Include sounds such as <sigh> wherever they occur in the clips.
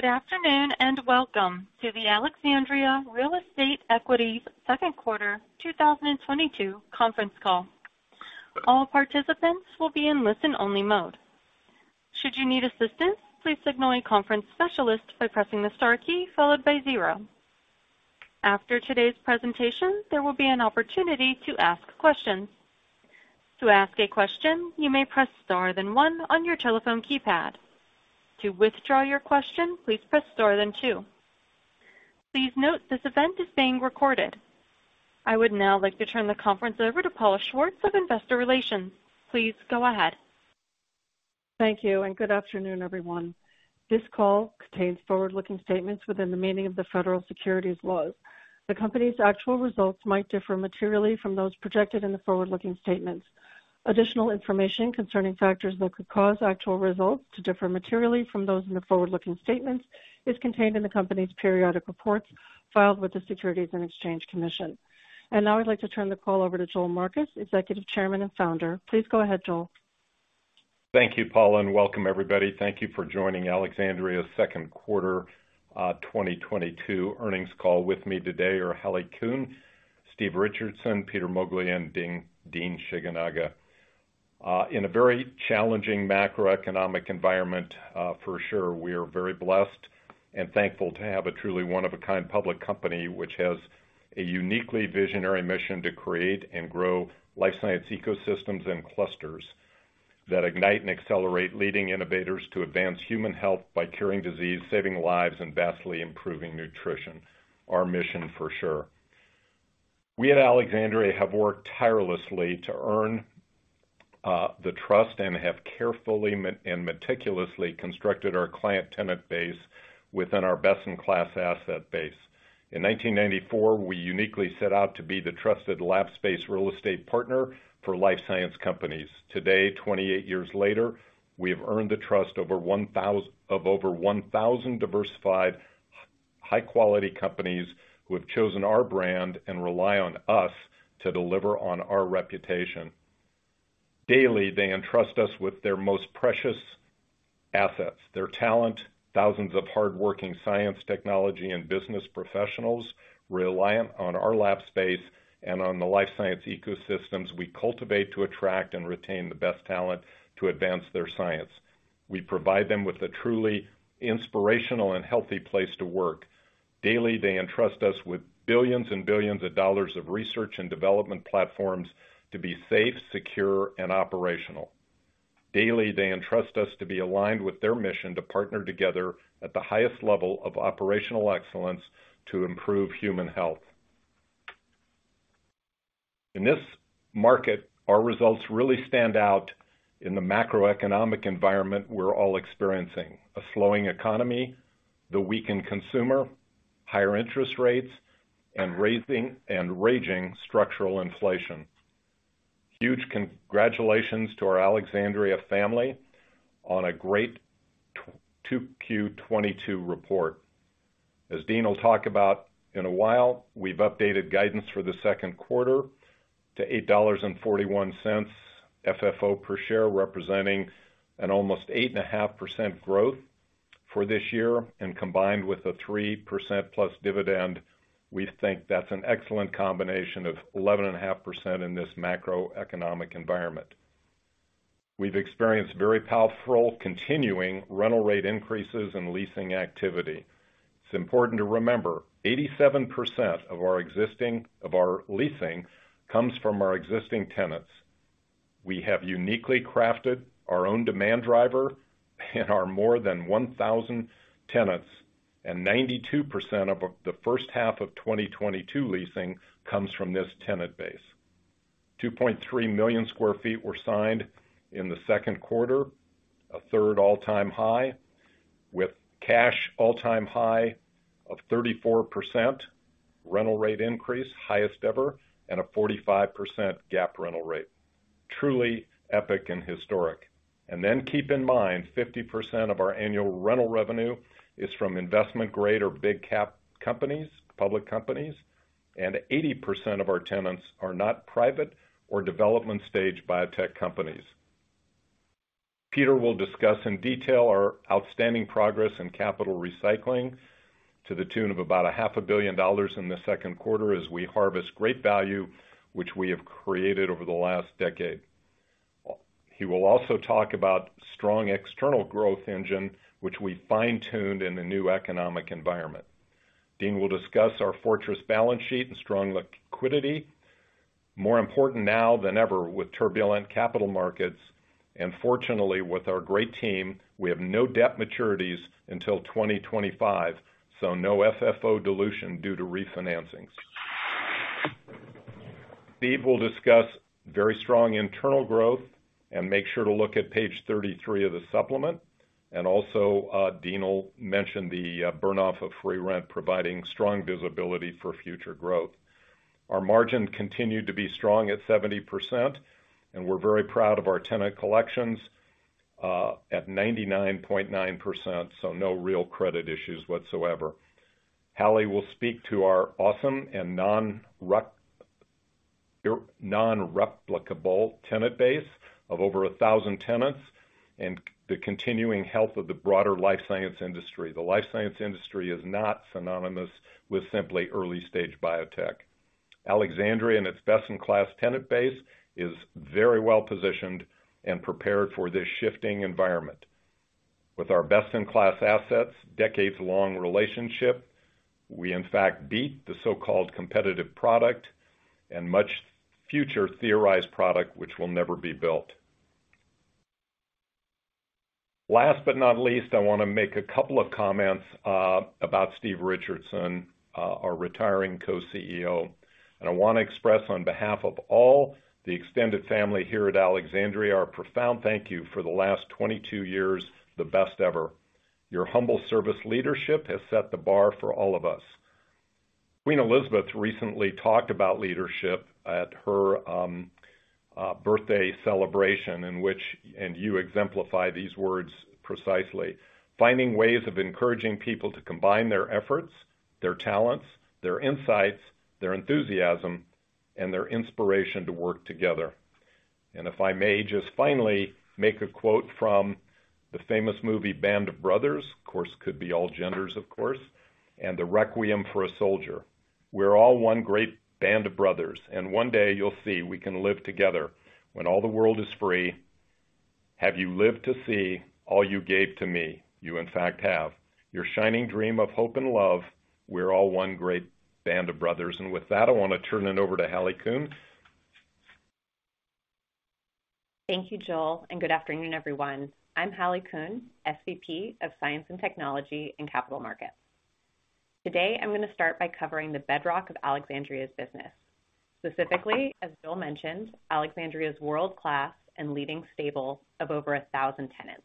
Good afternoon, and welcome to the Alexandria Real Estate Equities Second Quarter 2022 Conference Call. All participants will be in listen-only mode. Should you need assistance, please signal a conference specialist by pressing the star key followed by zero. After today's presentation, there will be an opportunity to ask questions. To ask a question, you may press star then one on your telephone keypad. To withdraw your question, please press star then two. Please note this event is being recorded. I would now like to turn the conference over to Paula Schwartz of Investor Relations. Please go ahead. Thank you and good afternoon, everyone. This call contains forward-looking statements within the meaning of the federal securities laws. The company's actual results might differ materially from those projected in the forward-looking statements. Additional information concerning factors that could cause actual results to differ materially from those in the forward-looking statements is contained in the company's periodic reports filed with the Securities and Exchange Commission. Now I'd like to turn the call over to Joel Marcus, Executive Chairman and Founder. Please go ahead, Joel. Thank you, Paula, and welcome everybody. Thank you for joining Alexandria's Second Quarter 2022 Earnings Call. With me today are Hallie Kuhn, Steve Richardson, Peter Moglia, and Dean Shigenaga. In a very challenging macroeconomic environment, for sure, we are very blessed and thankful to have a truly one of a kind public company, which has a uniquely visionary mission to create and grow life science ecosystems and clusters that ignite and accelerate leading innovators to advance human health by curing disease, saving lives, and vastly improving nutrition. Our mission for sure. We at Alexandria have worked tirelessly to earn the trust and have carefully and meticulously constructed our client tenant base within our best-in-class asset base. In 1994, we uniquely set out to be the trusted lab space real estate partner for life science companies. Today, 28 years later, we have earned the trust of over 1,000 diversified, high-quality companies who have chosen our brand and rely on us to deliver on our reputation. Daily, they entrust us with their most precious assets, their talent, thousands of hardworking science, technology, and business professionals reliant on our lab space and on the life science ecosystems we cultivate to attract and retain the best talent to advance their science. We provide them with a truly inspirational and healthy place to work. Daily, they entrust us with billions and billions of dollars of research and development platforms to be safe, secure, and operational. Daily, they entrust us to be aligned with their mission to partner together at the highest level of operational excellence to improve human health. In this market, our results really stand out in the macroeconomic environment we're all experiencing, a slowing economy, the weakened consumer, higher interest rates, and raging structural inflation. Huge congratulations to our Alexandria family on a great 2Q 2022 report. As Dean will talk about in a while, we've updated guidance for the second quarter to $8.41 FFO per share, representing an almost 8.5% growth for this year. Combined with a 3%+ dividend, we think that's an excellent combination of 11.5% in this macroeconomic environment. We've experienced very powerful continuing rental rate increases in leasing activity. It's important to remember, 87% of our leasing comes from our existing tenants. We have uniquely crafted our own demand driver in our more than 1,000 tenants, and 92% of the first half of 2022 leasing comes from this tenant base. 2.3 million sq ft were signed in the second quarter, a third all-time high, with cash all-time high of 34% rental rate increase, highest ever, and a 45% gap rental rate. Truly epic and historic. Keep in mind, 50% of our annual rental revenue is from investment grade or big cap companies, public companies, and 80% of our tenants are not private or development stage biotech companies. Peter will discuss in detail our outstanding progress in capital recycling to the tune of about $500 million in the second quarter as we harvest great value, which we have created over the last decade. He will also talk about strong external growth engine, which we fine-tuned in the new economic environment. Dean will discuss our fortress balance sheet and strong liquidity, more important now than ever with turbulent capital markets. Fortunately, with our great team, we have no debt maturities until 2025, so no FFO dilution due to refinancings. Steve will discuss very strong internal growth and make sure to look at page 33 of the supplement. Dean will mention the burn-off of free rent, providing strong visibility for future growth. Our margin continued to be strong at 70%, and we're very proud of our tenant collections at 99.9%. No real credit issues whatsoever. Hallie will speak to our awesome and non-replicable tenant base of over a thousand tenants and the continuing health of the broader life science industry. The life science industry is not synonymous with simply early-stage biotech. Alexandria and its best in class tenant base is very well positioned and prepared for this shifting environment. With our best in class assets, decades-long relationship, we in fact beat the so-called competitive product and much future theorized product which will never be built. Last but not least, I want to make a couple of comments about Steve Richardson, our retiring co-CEO. I want to express on behalf of all the extended family here at Alexandria, our profound thank you for the last 22 years, the best ever. Your humble service leadership has set the bar for all of us. Queen Elizabeth II recently talked about leadership at her birthday celebration in which you exemplify these words precisely. Finding ways of encouraging people to combine their efforts, their talents, their insights, their enthusiasm, and their inspiration to work together. If I may just finally make a quote from the famous movie Band of Brothers, of course could be all genders, of course, and the requiem for a soldier. We're all one great band of brothers, and one day you'll see we can live together. When all the world is free, have you lived to see all you gave to me? You in fact have. Your shining dream of hope and love, we're all one great band of brothers. With that, I want to turn it over to Hallie Kuhn. Thank you, Joel, and good afternoon, everyone. I'm Hallie Kuhn, SVP of Science and Technology and Capital Markets. Today, I'm going to start by covering the bedrock of Alexandria's business. Specifically, as Joel mentioned, Alexandria's world-class and leading stable of over 1,000 tenants.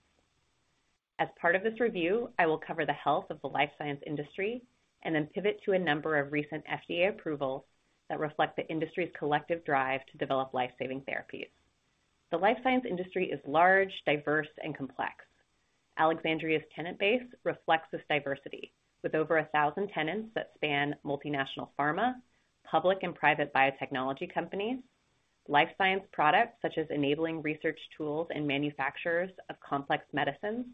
As part of this review, I will cover the health of the life science industry and then pivot to a number of recent FDA approvals that reflect the industry's collective drive to develop life-saving therapies. The life science industry is large, diverse, and complex. Alexandria's tenant base reflects this diversity, with over 1,000 tenants that span multinational pharma, public and private biotechnology companies, life science products such as enabling research tools and manufacturers of complex medicines,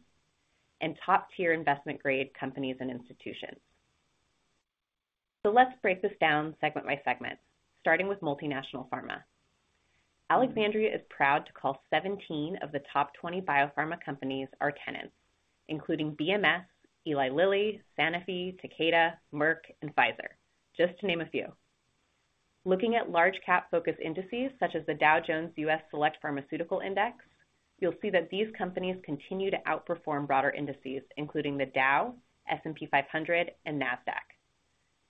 and top-tier investment grade companies and institutions. Let's break this down segment by segment, starting with multinational pharma. Alexandria is proud to call 17 of the top 20 biopharma companies our tenants, including BMS, Eli Lilly, Sanofi, Takeda, Merck, and Pfizer, just to name a few. Looking at large cap focus indices such as the Dow Jones U.S. Select Pharmaceuticals Index, you'll see that these companies continue to outperform broader indices, including the Dow Jones Industrial Average, S&P 500, and Nasdaq.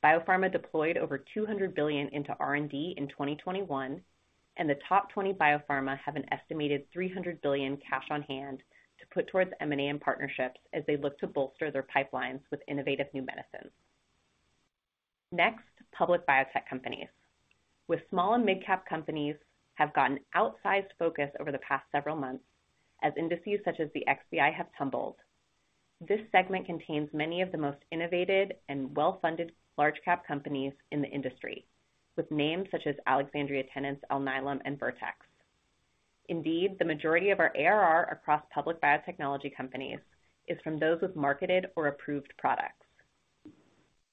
Biopharma deployed over $200 billion into R&D in 2021, and the top 20 biopharma have an estimated $300 billion cash on hand to put towards M&A and partnerships as they look to bolster their pipelines with innovative new medicines. Next, public biotech companies with small and mid-cap companies have gotten outsized focus over the past several months as indices such as the XBI have tumbled. This segment contains many of the most innovative and well-funded large cap companies in the industry, with names such as Alexandria tenants Alnylam and Vertex. Indeed, the majority of our ARR across public biotechnology companies is from those with marketed or approved products.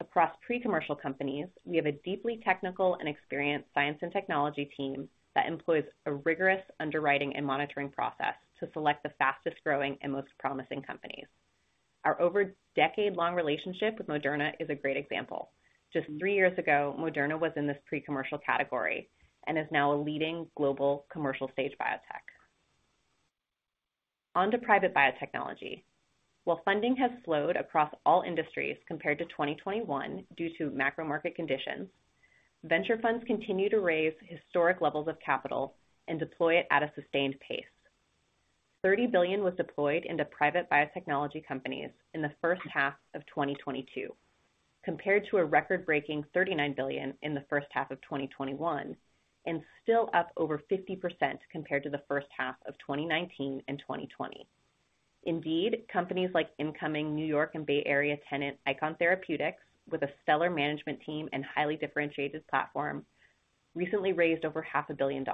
Across pre-commercial companies, we have a deeply technical and experienced science and technology team that employs a rigorous underwriting and monitoring process to select the fastest-growing and most promising companies. Our over decade-long relationship with Moderna is a great example. Just three years ago, Moderna was in this pre-commercial category and is now a leading global commercial stage biotech. On to private biotechnology. While funding has slowed across all industries compared to 2021 due to macro market conditions, venture funds continue to raise historic levels of capital and deploy it at a sustained pace. $30 billion was deployed into private biotechnology companies in the first half of 2022, compared to a record-breaking $39 billion in the first half of 2021, and still up over 50% compared to the first half of 2019 and 2020. Indeed, companies like incoming New York and Bay Area tenant Eikon Therapeutics, with a stellar management team and highly differentiated platform, recently raised over $500 million.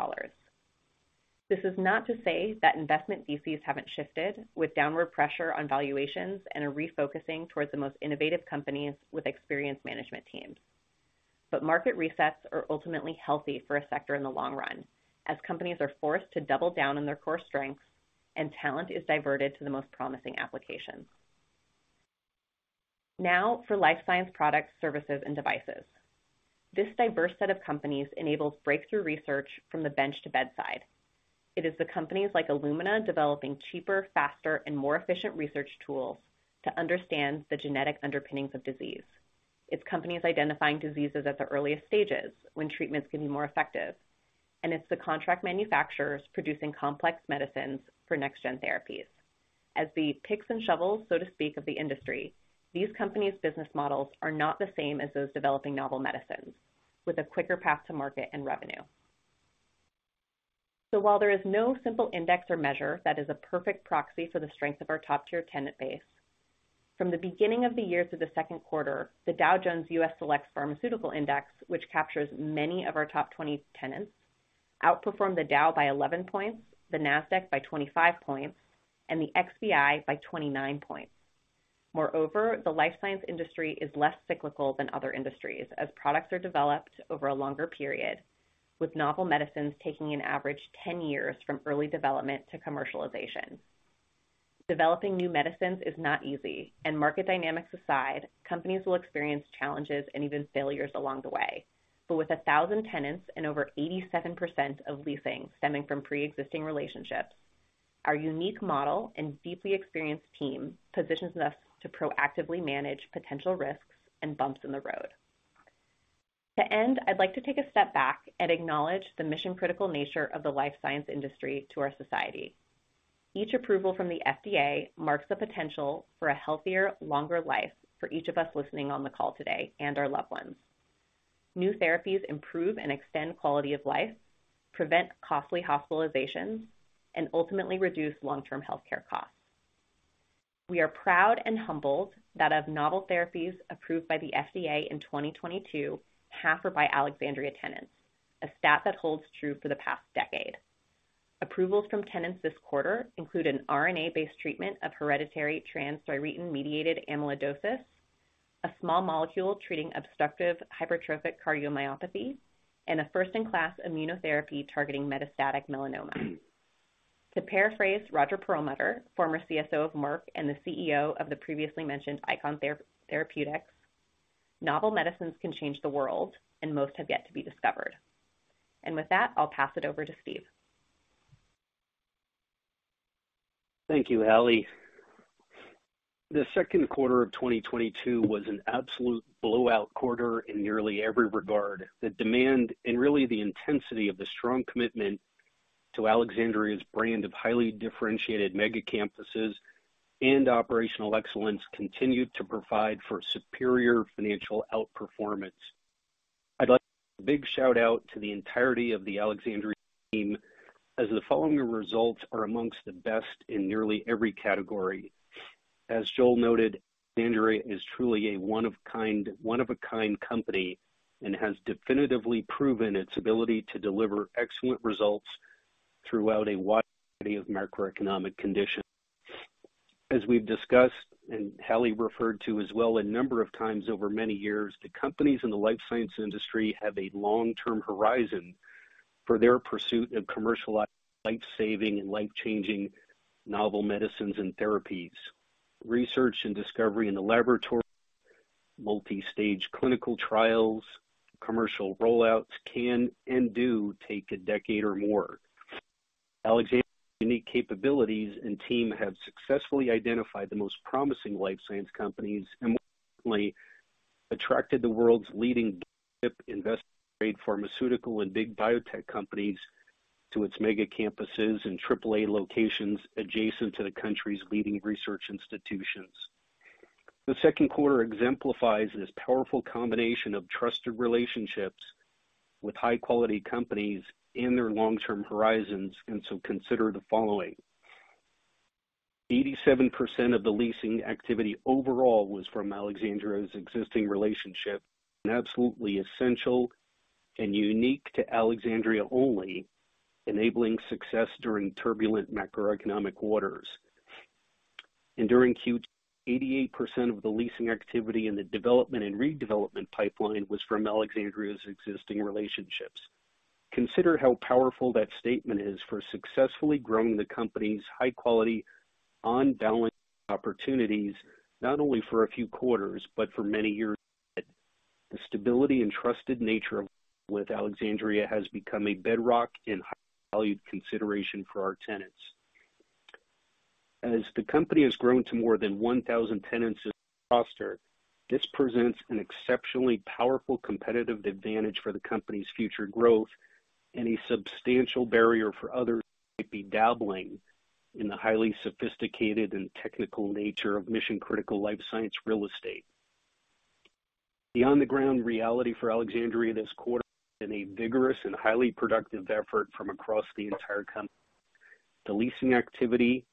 This is not to say that investment VCs haven't shifted with downward pressure on valuations and a refocusing towards the most innovative companies with experienced management teams. Market resets are ultimately healthy for a sector in the long run, as companies are forced to double down on their core strengths and talent is diverted to the most promising applications. Now for life science products, services, and devices. This diverse set of companies enables breakthrough research from the bench to bedside. It is the companies like Illumina developing cheaper, faster, and more efficient research tools to understand the genetic underpinnings of disease. It's companies identifying diseases at the earliest stages when treatments can be more effective. It's the contract manufacturers producing complex medicines for next gen therapies. As the picks and shovels, so to speak, of the industry, these companies' business models are not the same as those developing novel medicines, with a quicker path to market and revenue. While there is no simple index or measure that is a perfect proxy for the strength of our top tier tenant base, from the beginning of the year to the second quarter, the Dow Jones U.S. Select Pharmaceuticals Index, which captures many of our top 20 tenants, outperformed the Dow Jones Industrial Average by 11 points, the Nasdaq by 25 points, and the XBI by 29 points. Moreover, the life science industry is less cyclical than other industries as products are developed over a longer period, with novel medicines taking an average 10 years from early development to commercialization. Developing new medicines is not easy, and market dynamics aside, companies will experience challenges and even failures along the way. with 1,000 tenants and over 87% of leasing stemming from pre-existing relationships, our unique model and deeply experienced team positions us to proactively manage potential risks and bumps in the road. To end, I'd like to take a step back and acknowledge the mission critical nature of the life science industry to our society. Each approval from the FDA marks the potential for a healthier, longer life for each of us listening on the call today and our loved ones. New therapies improve and extend quality of life, prevent costly hospitalizations, and ultimately reduce long term healthcare costs. We are proud and humbled that of novel therapies approved by the FDA in 2022, half are by Alexandria tenants, a stat that holds true for the past decade. Approvals from tenants this quarter include an RNA-based treatment of hereditary transthyretin-mediated amyloidosis, a small molecule treating obstructive hypertrophic cardiomyopathy, and a first in class immunotherapy targeting metastatic melanoma. To paraphrase Roger Perlmutter, former CSO of Merck and the CEO of the previously mentioned Eikon Therapeutics, "Novel medicines can change the world, and most have yet to be discovered." With that, I'll pass it over to Steve. Thank you, Hallie. The second quarter of 2022 was an absolute blowout quarter in nearly every regard. The demand and really the intensity of the strong commitment to Alexandria's brand of highly differentiated mega campuses and operational excellence continued to provide for superior financial outperformance. I'd like a big shout out to the entirety of the Alexandria team as the following results are among the best in nearly every category. As Joel noted, Alexandria is truly a one-of-a-kind company and has definitively proven its ability to deliver excellent results throughout a wide variety of macroeconomic conditions. As we've discussed, and Hallie referred to as well a number of times over many years, the companies in the life science industry have a long-term horizon for their pursuit of commercialized lifesaving and life-changing novel medicines and therapies. Research and discovery in the laboratory, multi-stage clinical trials, commercial rollouts can and do take a decade or more. Alexandria's unique capabilities and team have successfully identified the most promising life science companies and most recently attracted the world's leading investment grade pharmaceutical and big biotech companies to its mega campuses and triple A locations adjacent to the country's leading research institutions. The second quarter exemplifies this powerful combination of trusted relationships with high quality companies in their long term horizons and so consider the following. 87% of the leasing activity overall was from Alexandria's existing relationship, and absolutely essential and unique to Alexandria only enabling success during turbulent macroeconomic waters. During Q2, 88% of the leasing activity in the development and redevelopment pipeline was from Alexandria's existing relationships. Consider how powerful that statement is for successfully growing the company's high-quality on-balance-sheet opportunities, not only for a few quarters, but for many years ahead. The stability and trusted nature of Alexandria has become a bedrock and highly valued consideration for our tenants. As the company has grown to more than 1,000 tenants in, <inaudible> this presents an exceptionally powerful competitive advantage for the company's future growth and a substantial barrier for others who might be dabbling in the highly sophisticated and technical nature of mission-critical life science real estate. The on-the-ground reality for Alexandria this quarter has been a vigorous and highly productive effort from across the entire company. The leasing activity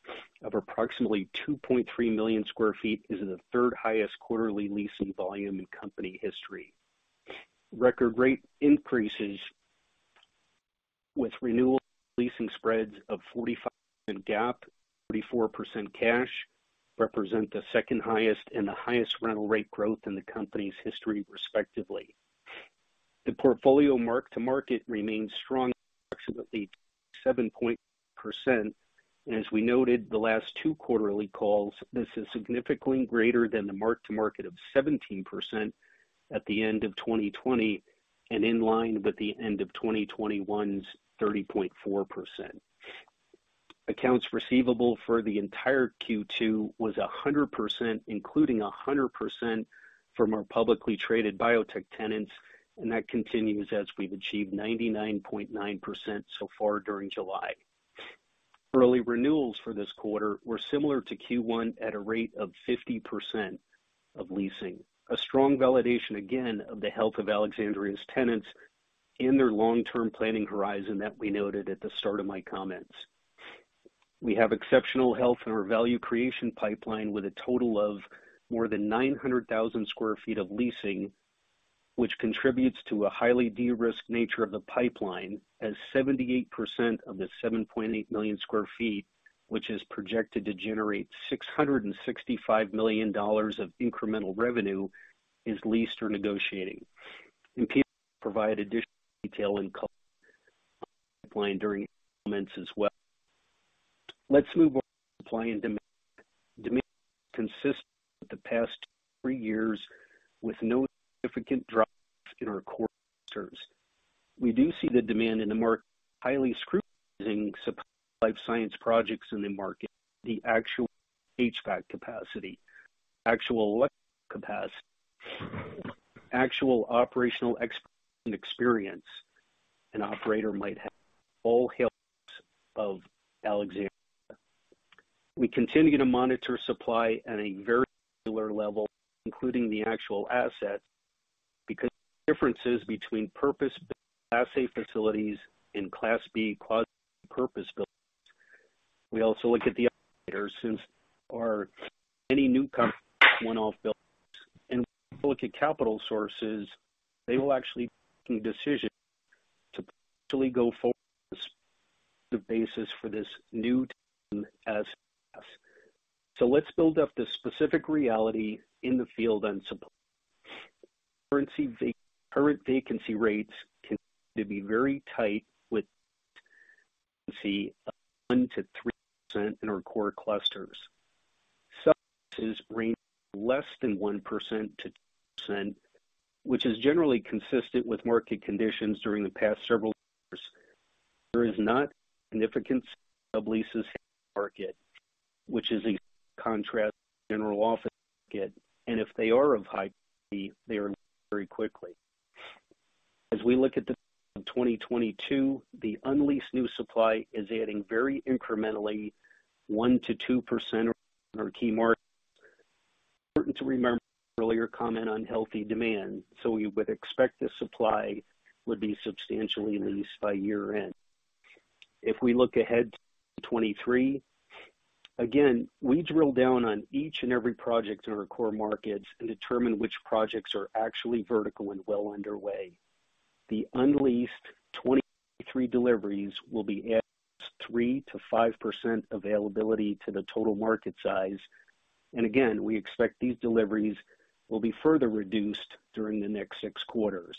of approximately 2.3 million sq ft is the third highest quarterly leasing volume in company history. Record rate increases with renewal leasing spreads of 45% GAAP, 44% cash, represent the second highest and the highest rental rate growth in the company's history, respectively. The portfolio mark to market remains strong at approximately 7%. As we noted on the last two quarterly calls, this is significantly greater than the mark to market of 17% at the end of 2020 and in line with the end of 2021's 30.4%. Accounts receivable for the entire Q2 was 100%, including 100% from our publicly traded biotech tenants, and that continues as we've achieved 99.9% so far during July. Early renewals for this quarter were similar to Q1 at a rate of 50% of leasing. A strong validation again of the health of Alexandria's tenants in their long-term planning horizon that we noted at the start of my comments. We have exceptional health in our value creation pipeline with a total of more than 900,000 sq ft of leasing, which contributes to a highly de-risked nature of the pipeline as 78% of the 7.8 million sq ft, which is projected to generate $665 million of incremental revenue, is leased or negotiating. Peter will provide additional detail and color on the pipeline during his comments as well. Let's move on to supply and demand. Demand is consistent with the past two, three years, with no significant drop in our core clusters. We do see the demand in the more highly scrutinizing supply life science projects in the market, the actual HVAC capacity, actual electrical capacity, actual operational expansion experience an operator might have are all hallmarks of Alexandria. We continue to monitor supply at a very particular level, including the actual asset, because the differences between purpose-built Class A facilities and Class B quasi-purpose built. We also look at the operators, such as any new companies one-off buildings. We also look at capital sources. They who will actually be making decisions to potentially go forward on the basis for this new term as a service. Let's build up the specific reality in the field on supply. Current vacancy rates continue to be very tight with a vacancy of 1%-3% in our core clusters. Submarkets range from less than 1%-2%, which is generally consistent with market conditions during the past several years. There is no significant number of leases hitting the market, which is a contrast to the general office market, and if they are of high quality, they are leased very quickly. As we look to 2022, the unleased new supply is adding very incrementally 1%-2% in our key markets. Important to remember my earlier comment on healthy demand, so we would expect the supply would be substantially leased by year-end. If we look ahead to 2023, again, we drill down on each and every project in our core markets and determine which projects are actually vertical and well underway. The unleased 2023 deliveries will be adding just 3%-5% availability to the total market size. Again, we expect these deliveries will be further reduced during the next six quarters.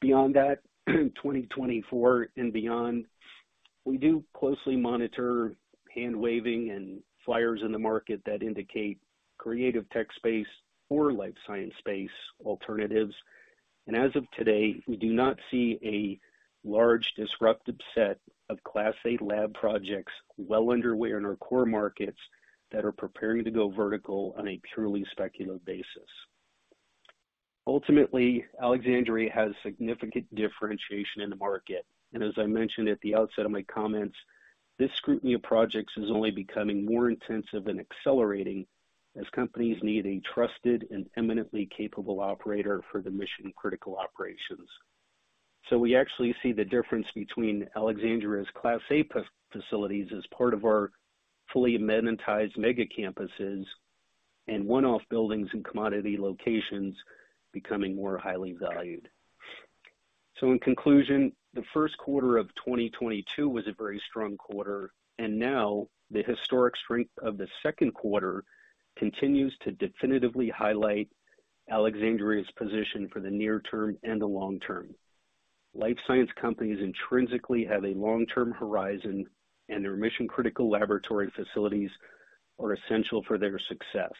Beyond that, 2024 and beyond, we do closely monitor handouts and flyers in the market that indicate creative tech space or life science space alternatives. As of today, we do not see a large disruptive set of Class A lab projects well underway in our core markets that are preparing to go vertical on a purely speculative basis. Ultimately, Alexandria has significant differentiation in the market. As I mentioned at the outset of my comments, this scrutiny of projects is only becoming more intensive and accelerating as companies need a trusted and eminently capable operator for their mission-critical operations. We actually see the difference between Alexandria's Class A facilities as part of our fully amenitized mega campuses and one-off buildings and commodity locations becoming more highly valued. In conclusion, the first quarter of 2022 was a very strong quarter, and now the historic strength of the second quarter continues to definitively highlight Alexandria's position for the near term and the long term. Life science companies intrinsically have a long-term horizon, and their mission-critical laboratory facilities are essential for their success.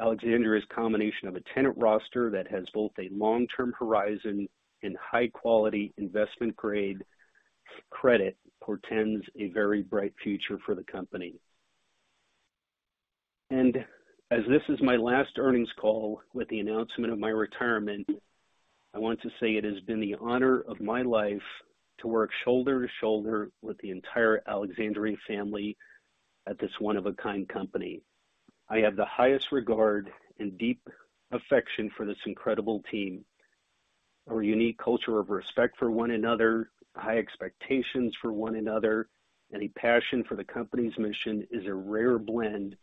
Alexandria's combination of a tenant roster that has both a long-term horizon and high-quality investment grade credit portends a very bright future for the company. As this is my last earnings call with the announcement of my retirement, I want to say it has been the honor of my life to work shoulder to shoulder with the entire Alexandria family at this one-of-a-kind company. I have the highest regard and deep affection for this incredible team. Our unique culture of respect for one another, high expectations for one another, and a passion for the company's mission is a rare blend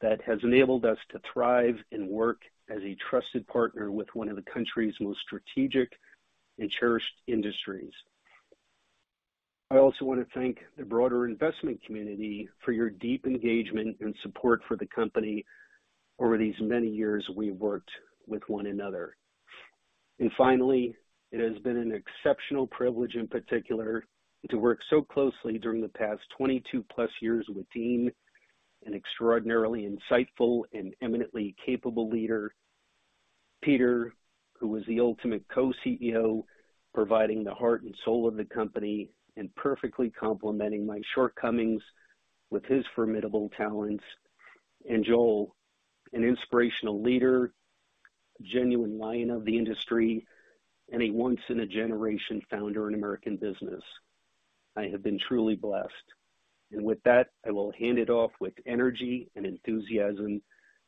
that has enabled us to thrive and work as a trusted partner with one of the country's most strategic and cherished industries. I also want to thank the broader investment community for your deep engagement and support for the company over these many years we've worked with one another. Finally, it has been an exceptional privilege, in particular, to work so closely during the past 22+ years with Dean, an extraordinarily insightful and eminently capable leader, Peter, who was the ultimate co-CEO, providing the heart and soul of the company and perfectly complementing my shortcomings with his formidable talents. Joel, an inspirational leader. A genuine lion of the industry and a once in a generation founder in American business. I have been truly blessed. With that, I will hand it off with energy and enthusiasm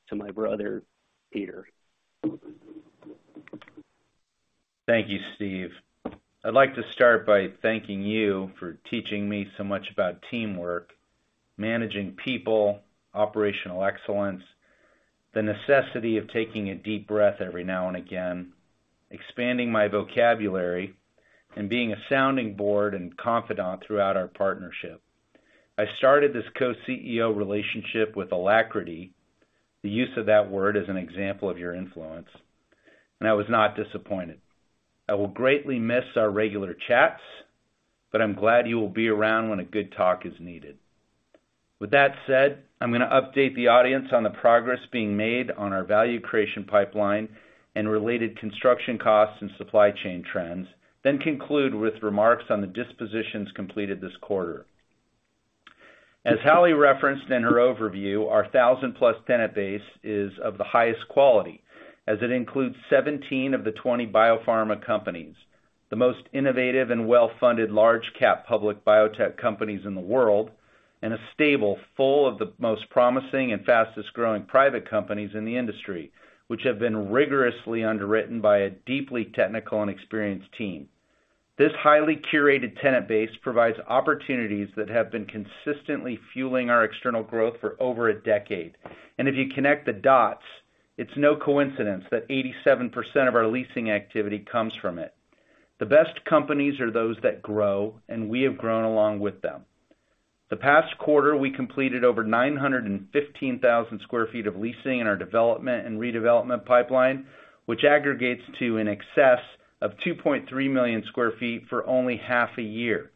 to my brother, Peter. Thank you, Steve. I'd like to start by thanking you for teaching me so much about teamwork, managing people, operational excellence, the necessity of taking a deep breath every now and again, expanding my vocabulary, and being a sounding board and confidant throughout our partnership. I started this co-CEO relationship with alacrity. The use of that word is an example of your influence, and I was not disappointed. I will greatly miss our regular chats, but I'm glad you will be around when a good talk is needed. With that said, I'm gonna update the audience on the progress being made on our value creation pipeline and related construction costs and supply chain trends, then conclude with remarks on the dispositions completed this quarter. As Hallie referenced in her overview, our 1,000+ tenant base is of the highest quality as it includes 17 of the 20 biopharma companies, the most innovative and well-funded large cap public biotech companies in the world, and a stable full of the most promising and fastest-growing private companies in the industry, which have been rigorously underwritten by a deeply technical and experienced team. This highly curated tenant base provides opportunities that have been consistently fueling our external growth for over a decade. If you connect the dots, it's no coincidence that 87% of our leasing activity comes from it. The best companies are those that grow, and we have grown along with them. The past quarter, we completed over 915,000 sq ft of leasing in our development and redevelopment pipeline, which aggregates to in excess of 2.3 million sq ft for only half a year.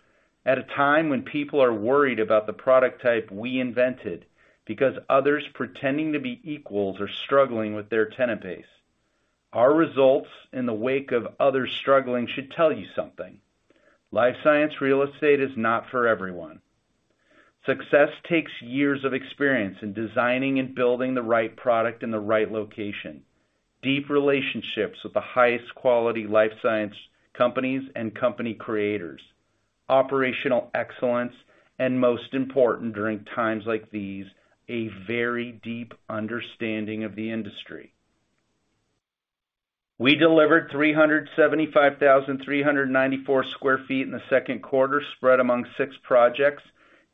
At a time when people are worried about the product type we invented because others pretending to be equals are struggling with their tenant base. Our results in the wake of others struggling should tell you something. Life science real estate is not for everyone. Success takes years of experience in designing and building the right product in the right location, deep relationships with the highest quality life science companies and company creators, operational excellence, and most important during times like these, a very deep understanding of the industry. We delivered 375,394 sq ft in the second quarter spread among six projects,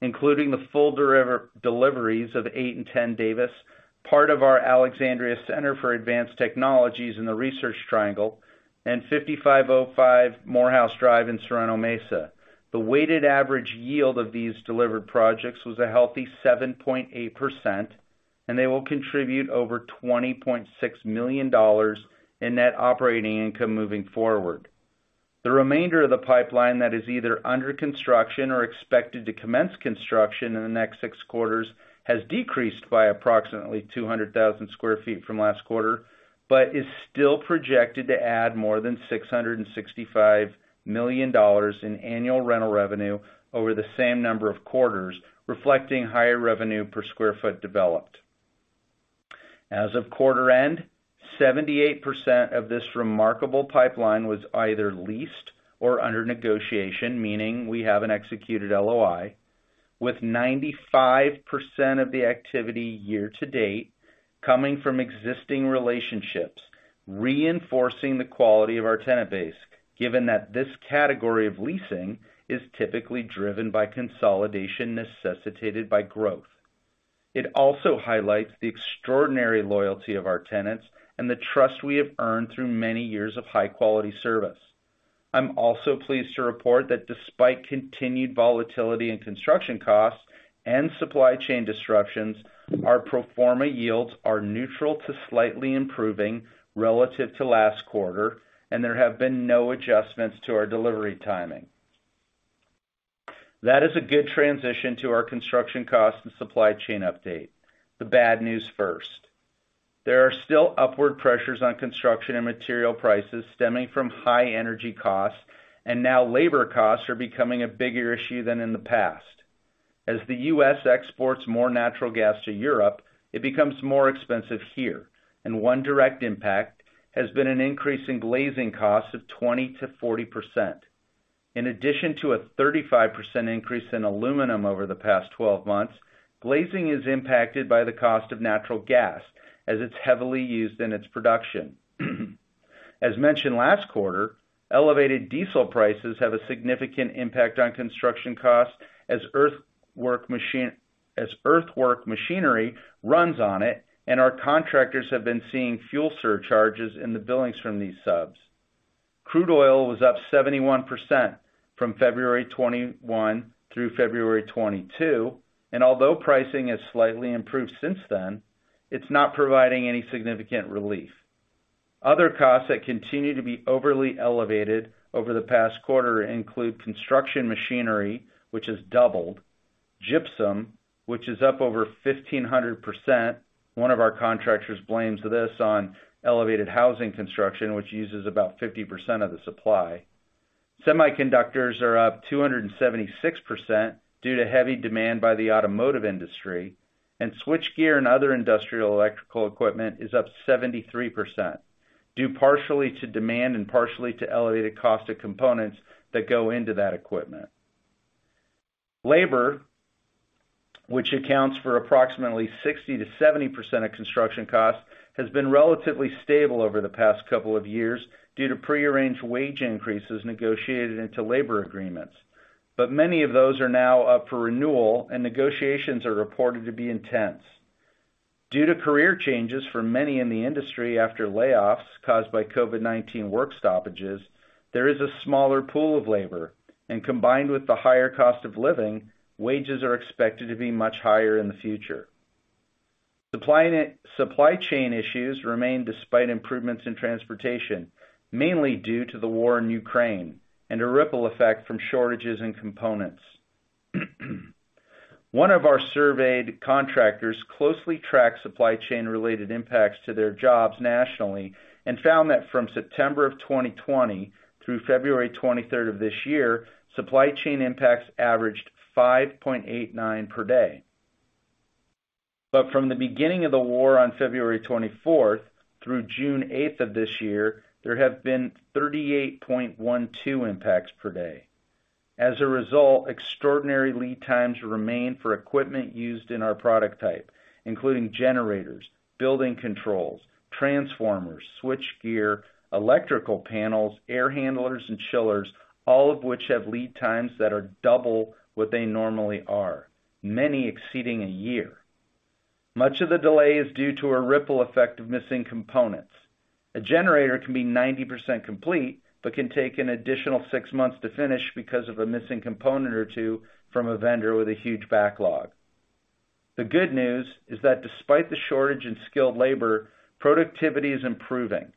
including the full deliveries of eight and 10 Davis, part of our Alexandria Center for Advanced Technologies in the Research Triangle, and 5505 Morehouse Drive in Sorrento Mesa. The weighted average yield of these delivered projects was a healthy 7.8%, and they will contribute over $20.6 million in net operating income moving forward. The remainder of the pipeline that is either under construction or expected to commence construction in the next six quarters has decreased by approximately 200,000 sq ft from last quarter but is still projected to add more than $665 million in annual rental revenue over the same number of quarters, reflecting higher revenue per square foot developed. As of quarter end, 78% of this remarkable pipeline was either leased or under negotiation, meaning we have an executed LOI, with 95% of the activity year to date coming from existing relationships, reinforcing the quality of our tenant base, given that this category of leasing is typically driven by consolidation necessitated by growth. It also highlights the extraordinary loyalty of our tenants and the trust we have earned through many years of high-quality service. I'm also pleased to report that despite continued volatility in construction costs and supply chain disruptions, our pro forma yields are neutral to slightly improving relative to last quarter, and there have been no adjustments to our delivery timing. That is a good transition to our construction cost and supply chain update. The bad news first. There are still upward pressures on construction and material prices stemming from high energy costs, and now labor costs are becoming a bigger issue than in the past. As the U.S. exports more natural gas to Europe, it becomes more expensive here, and one direct impact has been an increase in glazing costs of 20%-40%. In addition to a 35% increase in aluminum over the past 12 months, glazing is impacted by the cost of natural gas as it's heavily used in its production. As mentioned last quarter, elevated diesel prices have a significant impact on construction costs as earthwork machinery runs on it, and our contractors have been seeing fuel surcharges in the billings from these subs. Crude oil was up 71% from February 2021 through February 2022, and although pricing has slightly improved since then, it's not providing any significant relief. Other costs that continue to be overly elevated over the past quarter include construction machinery, which has doubled, gypsum, which is up over 1,500%. One of our contractors blames this on elevated housing construction, which uses about 50% of the supply. Semiconductors are up 276% due to heavy demand by the automotive industry, and switchgear and other industrial electrical equipment is up 73%, due partially to demand and partially to elevated cost of components that go into that equipment. Labor, which accounts for approximately 60%-70% of construction costs, has been relatively stable over the past couple of years due to prearranged wage increases negotiated into labor agreements. Many of those are now up for renewal, and negotiations are reported to be intense. Due to career changes for many in the industry after layoffs caused by COVID-19 work stoppages, there is a smaller pool of labor, and combined with the higher cost of living, wages are expected to be much higher in the future. Supply chain issues remain despite improvements in transportation, mainly due to the war in Ukraine and a ripple effect from shortages in components. One of our surveyed contractors closely tracks supply chain related impacts to their jobs nationally and found that from September of 2020 through February 23rd of this year, supply chain impacts averaged 5.89 per day. From the beginning of the war on February 24th through June 8th of this year, there have been 38.12 impacts per day. As a result, extraordinary lead times remain for equipment used in our product type, including generators, building controls, transformers, switchgear, electrical panels, air handlers, and chillers, all of which have lead times that are double what they normally are, many exceeding a year. Much of the delay is due to a ripple effect of missing components. A generator can be 90% complete but can take an additional six months to finish because of a missing component or two from a vendor with a huge backlog. The good news is that despite the shortage in skilled labor, productivity is improving.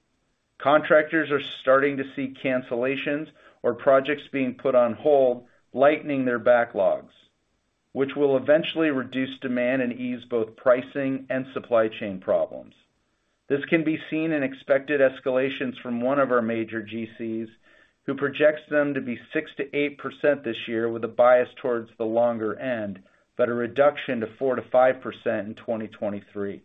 Contractors are starting to see cancellations or projects being put on hold, lightening their backlogs, which will eventually reduce demand and ease both pricing and supply chain problems. This can be seen in expected escalations from one of our major GCs, who projects them to be 6%-8% this year, with a bias towards the longer end, but a reduction to 4%-5% in 2023.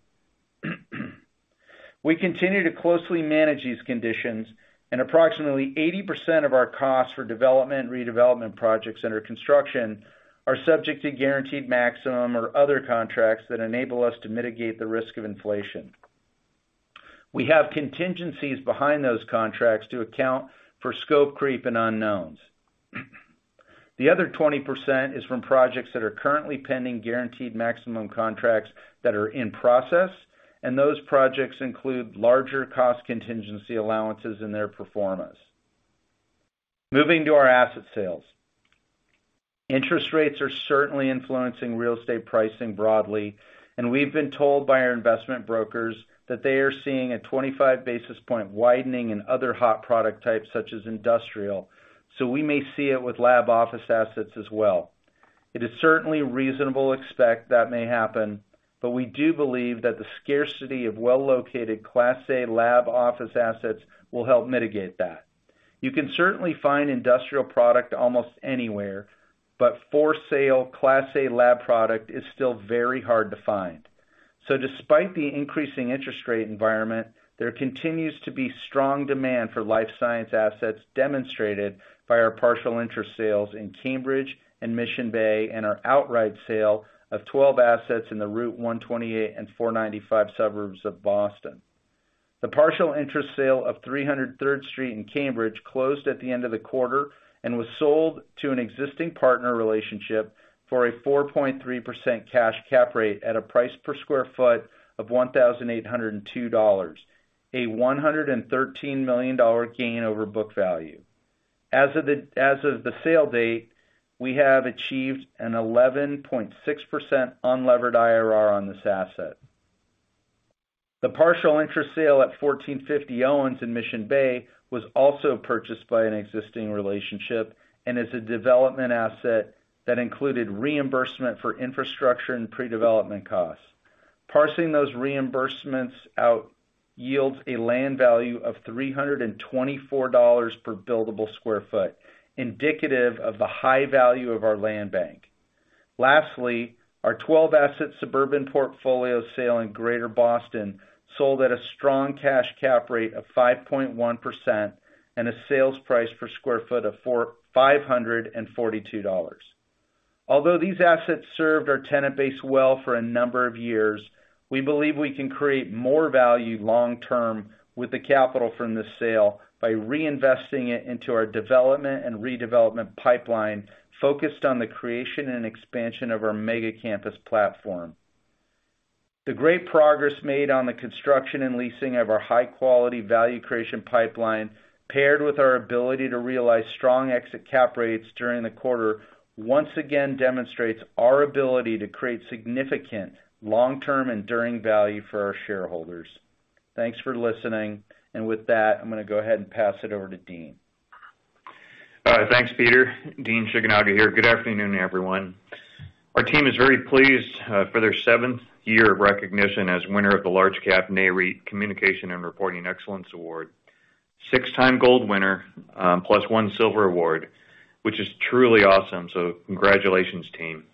We continue to closely manage these conditions, and approximately 80% of our costs for development and redevelopment projects under construction are subject to guaranteed maximum or other contracts that enable us to mitigate the risk of inflation. We have contingencies behind those contracts to account for scope creep and unknowns. The other 20% is from projects that are currently pending guaranteed maximum contracts that are in process, and those projects include larger cost contingency allowances in their pro formas. Moving to our asset sales. Interest rates are certainly influencing real estate pricing broadly, and we've been told by our investment brokers that they are seeing a 25-basis point widening in other hot product types such as industrial, so we may see it with lab office assets as well. It is certainly reasonable to expect that may happen, but we do believe that the scarcity of well-located Class A lab office assets will help mitigate that. You can certainly find industrial product almost anywhere, but for sale, Class A lab product is still very hard to find. Despite the increasing interest rate environment, there continues to be strong demand for life science assets demonstrated by our partial interest sales in Cambridge and Mission Bay and our outright sale of 12 assets in the Route 128 and 495 suburbs of Boston. The partial interest sale of 300 Third Street in Cambridge closed at the end of the quarter, and was sold to an existing partner relationship for a 4.3% cash cap rate at a price per sq ft of $1,802, a $113 million gain over book value. As of the sale date, we have achieved an 11.6% unlevered IRR on this asset. The partial interest sale at 1450 Owens in Mission Bay was also purchased by an existing relationship and is a development asset that included reimbursement for infrastructure and pre-development costs. Parsing those reimbursements out yields a land value of $324 per buildable sq ft, indicative of the high value of our land bank. Lastly, our 12-asset suburban portfolio sale in Greater Boston sold at a strong cash cap rate of 5.1% and a sales price per sq ft of $542. Although these assets served our tenant base well for a number of years, we believe we can create more value long term with the capital from this sale by reinvesting it into our development and redevelopment pipeline focused on the creation and expansion of our mega campus platform. The great progress made on the construction and leasing of our high-quality value creation pipeline, paired with our ability to realize strong exit cap rates during the quarter, once again demonstrates our ability to create significant long-term enduring value for our shareholders. Thanks for listening. With that, I'm gonna go ahead and pass it over to Dean. Thanks, Peter Moglia. Dean Shigenaga here. Good afternoon, everyone. Our team is very pleased for their seventh year of recognition as winner of the large cap Nareit Communication and Reporting Excellence Award. Six-time gold winner, plus one silver award, which is truly awesome. Congratulations team.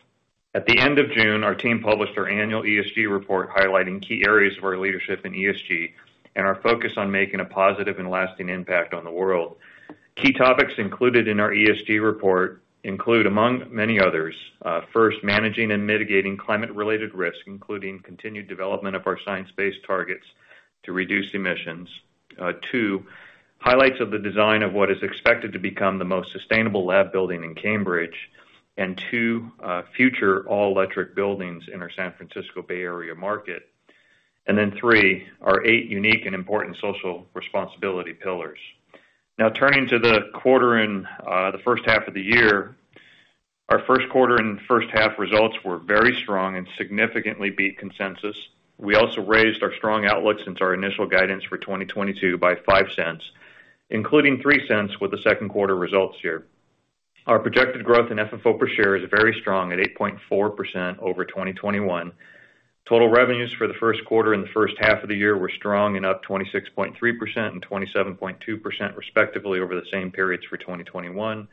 At the end of June, our team published our annual ESG report highlighting key areas of our leadership in ESG and our focus on making a positive and lasting impact on the world. Key topics included in our ESG report include, among many others, first, managing and mitigating climate-related risk, including continued development of our science-based targets to reduce emissions. Two, highlights of the design of what is expected to become the most sustainable lab building in Cambridge, and two, future all-electric buildings in our San Francisco Bay Area market. Three, our eight unique and important social responsibility pillars. Now turning to the quarter in the first half of the year. Our first quarter and first half results were very strong and significantly beat consensus. We also raised our strong outlook since our initial guidance for 2022 by $0.05, including $0.03 with the second quarter results here. Our projected growth in FFO per share is very strong at 8.4% over 2021. Total revenues for the first quarter and the first half of the year were strong and up 26.3% and 27.2% respectively over the same periods for 2021.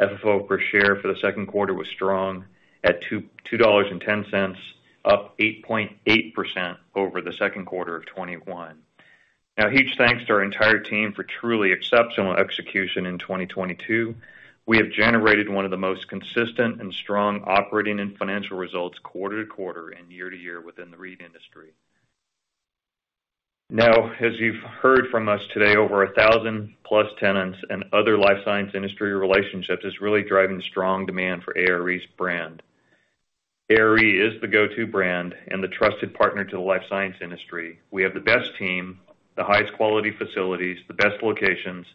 FFO per share for the second quarter was strong at $2.10, up 8.8% over the second quarter of 2021. Now huge thanks to our entire team for truly exceptional execution in 2022. We have generated one of the most consistent and strong operating and financial results quarter to quarter and year to year within the REIT industry. Now, as you've heard from us today, over 1,000+ tenants and other life science industry relationships is really driving strong demand for ARE's brand. ARE is the go-to brand and the trusted partner to the life science industry. We have the best team, the highest quality facilities, the best locations,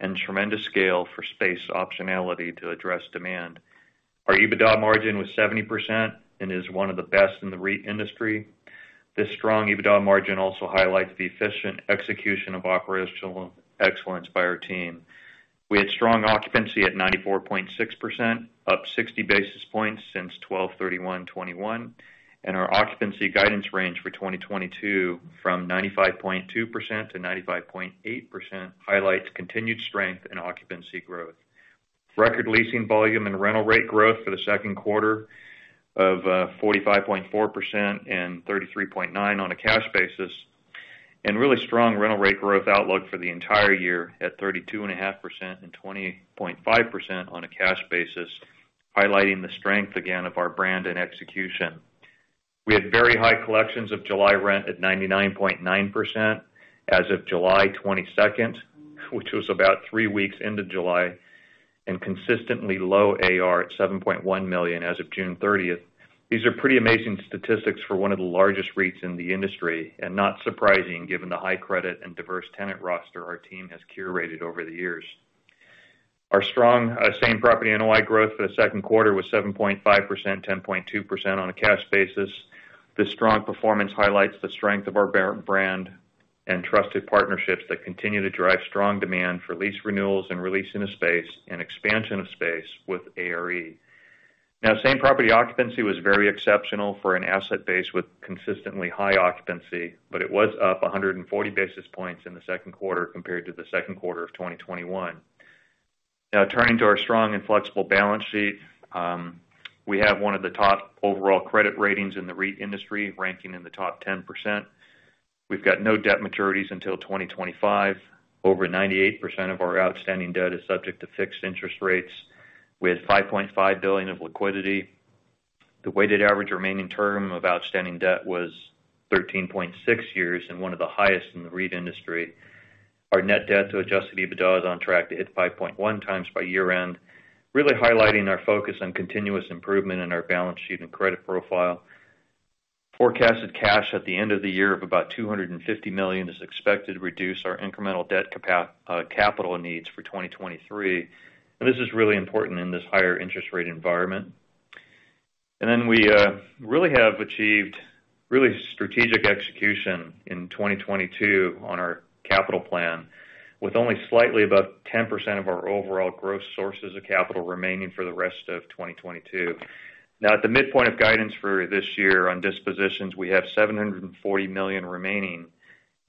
and tremendous scale for space optionality to address demand. Our EBITDA margin was 70% and is one of the best in the REIT industry. This strong EBITDA margin also highlights the efficient execution of operational excellence by our team. We had strong occupancy at 94.6%, up 60 basis points since 12/31/2021, and our occupancy guidance range for 2022 from 95.2%-95.8% highlights continued strength in occupancy growth. Record leasing volume and rental rate growth for the second quarter of 45.4% and 33.9% on a cash basis, and really strong rental rate growth outlook for the entire year at 32.5% and 20.5% on a cash basis, highlighting the strength again of our brand and execution. We had very high collections of July rent at 99.9% as of July 22nd, which was about three weeks into July, and consistently low AR at $7.1 million as of June 30th. These are pretty amazing statistics for one of the largest REITs in the industry, and not surprising given the high credit and diverse tenant roster our team has curated over the years. Our strong same property NOI growth for the second quarter was 7.5%, 10.2% on a cash basis. This strong performance highlights the strength of our brand and trusted partnerships that continue to drive strong demand for lease renewals and re-leasing into space and expansion of space with ARE. Now same property occupancy was very exceptional for an asset base with consistently high occupancy, but it was up 140 basis points in the second quarter compared to the second quarter of 2021. Now turning to our strong and flexible balance sheet. We have one of the top overall credit ratings in the REIT industry, ranking in the top 10%. We've got no debt maturities until 2025. Over 98% of our outstanding debt is subject to fixed interest rates with $5.5 billion of liquidity. The weighted average remaining term of outstanding debt was 13.6 years and one of the highest in the REIT industry. Our net debt to adjusted EBITDA is on track to hit 5.1x by year-end, really highlighting our focus on continuous improvement in our balance sheet and credit profile. Forecasted cash at the end of the year of about $250 million is expected to reduce our incremental debt capital needs for 2023, and this is really important in this higher interest rate environment. We really have achieved really strategic execution in 2022 on our capital plan, with only slightly above 10% of our overall gross sources of capital remaining for the rest of 2022. Now at the midpoint of guidance for this year on dispositions, we have $740 million remaining,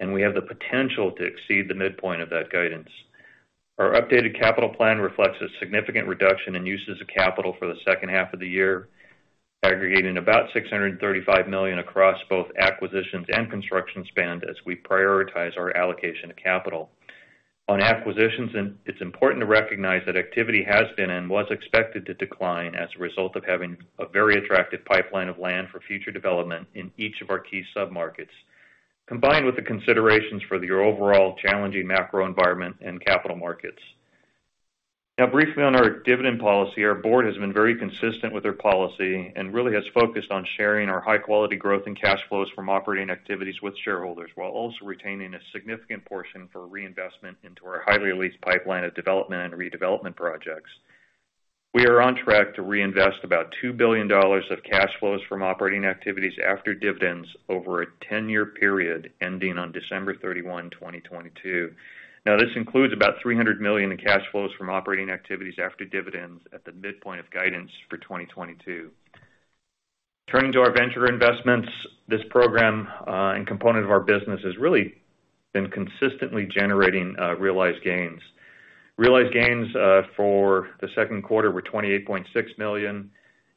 and we have the potential to exceed the midpoint of that guidance. Our updated capital plan reflects a significant reduction in uses of capital for the second half of the year, aggregating about $635 million across both acquisitions and construction spend as we prioritize our allocation of capital. On acquisitions, it's important to recognize that activity has been and was expected to decline as a result of having a very attractive pipeline of land for future development in each of our key submarkets, combined with the considerations for the overall challenging macro environment and capital markets. Now briefly on our dividend policy. Our board has been very consistent with their policy and really has focused on sharing our high-quality growth and cash flows from operating activities with shareholders while also retaining a significant portion for reinvestment into our highly leased pipeline of development and redevelopment projects. We are on track to reinvest about $2 billion of cash flows from operating activities after dividends over a 10-year period ending on December 31, 2022. Now this includes about $300 million in cash flows from operating activities after dividends at the midpoint of guidance for 2022. Turning to our venture investments. This program and component of our business has really been consistently generating realized gains. Realized gains for the second quarter were $28.6 million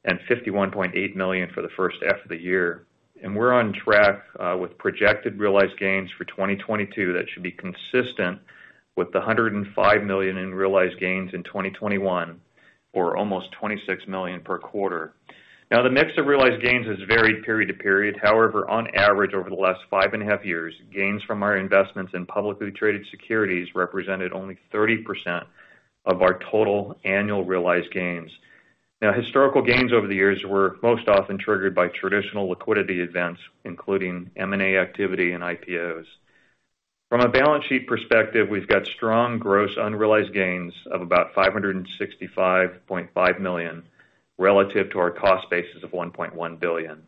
and $51.8 million for the first half of the year. We're on track with projected realized gains for 2022 that should be consistent with the $105 million in realized gains in 2021, or almost $26 million per quarter. Now, the mix of realized gains has varied period to period. However, on average, over the last 5.5 years, gains from our investments in publicly traded securities represented only 30% of our total annual realized gains. Now, historical gains over the years were most often triggered by traditional liquidity events, including M&A activity and IPOs. From a balance sheet perspective, we've got strong gross unrealized gains of about $565.5 million relative to our cost basis of $1.1 billion.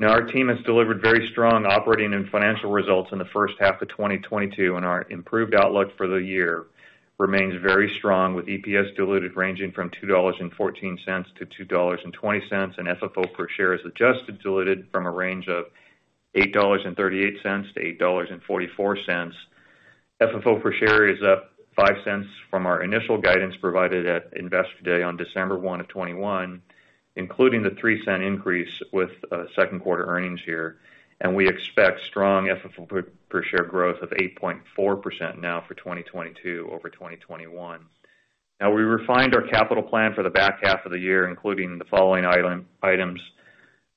Now our team has delivered very strong operating and financial results in the first half of 2022, and our improved outlook for the year remains very strong, with EPS diluted ranging from $2.14-$2.20. FFO per share is adjusted, diluted from a range of $8.38-$8.44. FFO per share is up $0.05 From our initial guidance provided at Investor Day on December 1, 2021, including the $0.03 Increase with second quarter earnings here. We expect strong FFO per share growth of 8.4% now for 2022 over 2021. Now we refined our capital plan for the back half of the year, including the following items.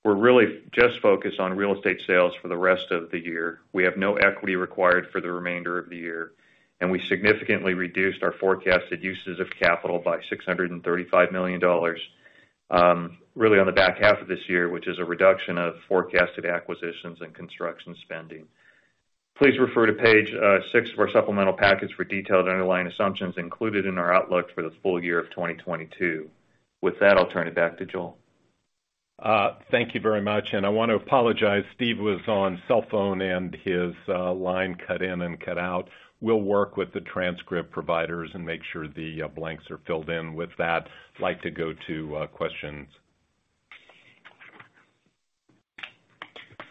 We're really just focused on real estate sales for the rest of the year. We have no equity required for the remainder of the year, and we significantly reduced our forecasted uses of capital by $635 million, really on the back half of this year, which is a reduction of forecasted acquisitions and construction spending. Please refer to page six of our supplemental package for detailed underlying assumptions included in our outlook for the full year of 2022. With that, I'll turn it back to Joel. Thank you very much. I want to apologize. Steve was on cell phone, and his line cut in and cut out. We'll work with the transcript providers and make sure the blanks are filled in. With that, I'd like to go to questions.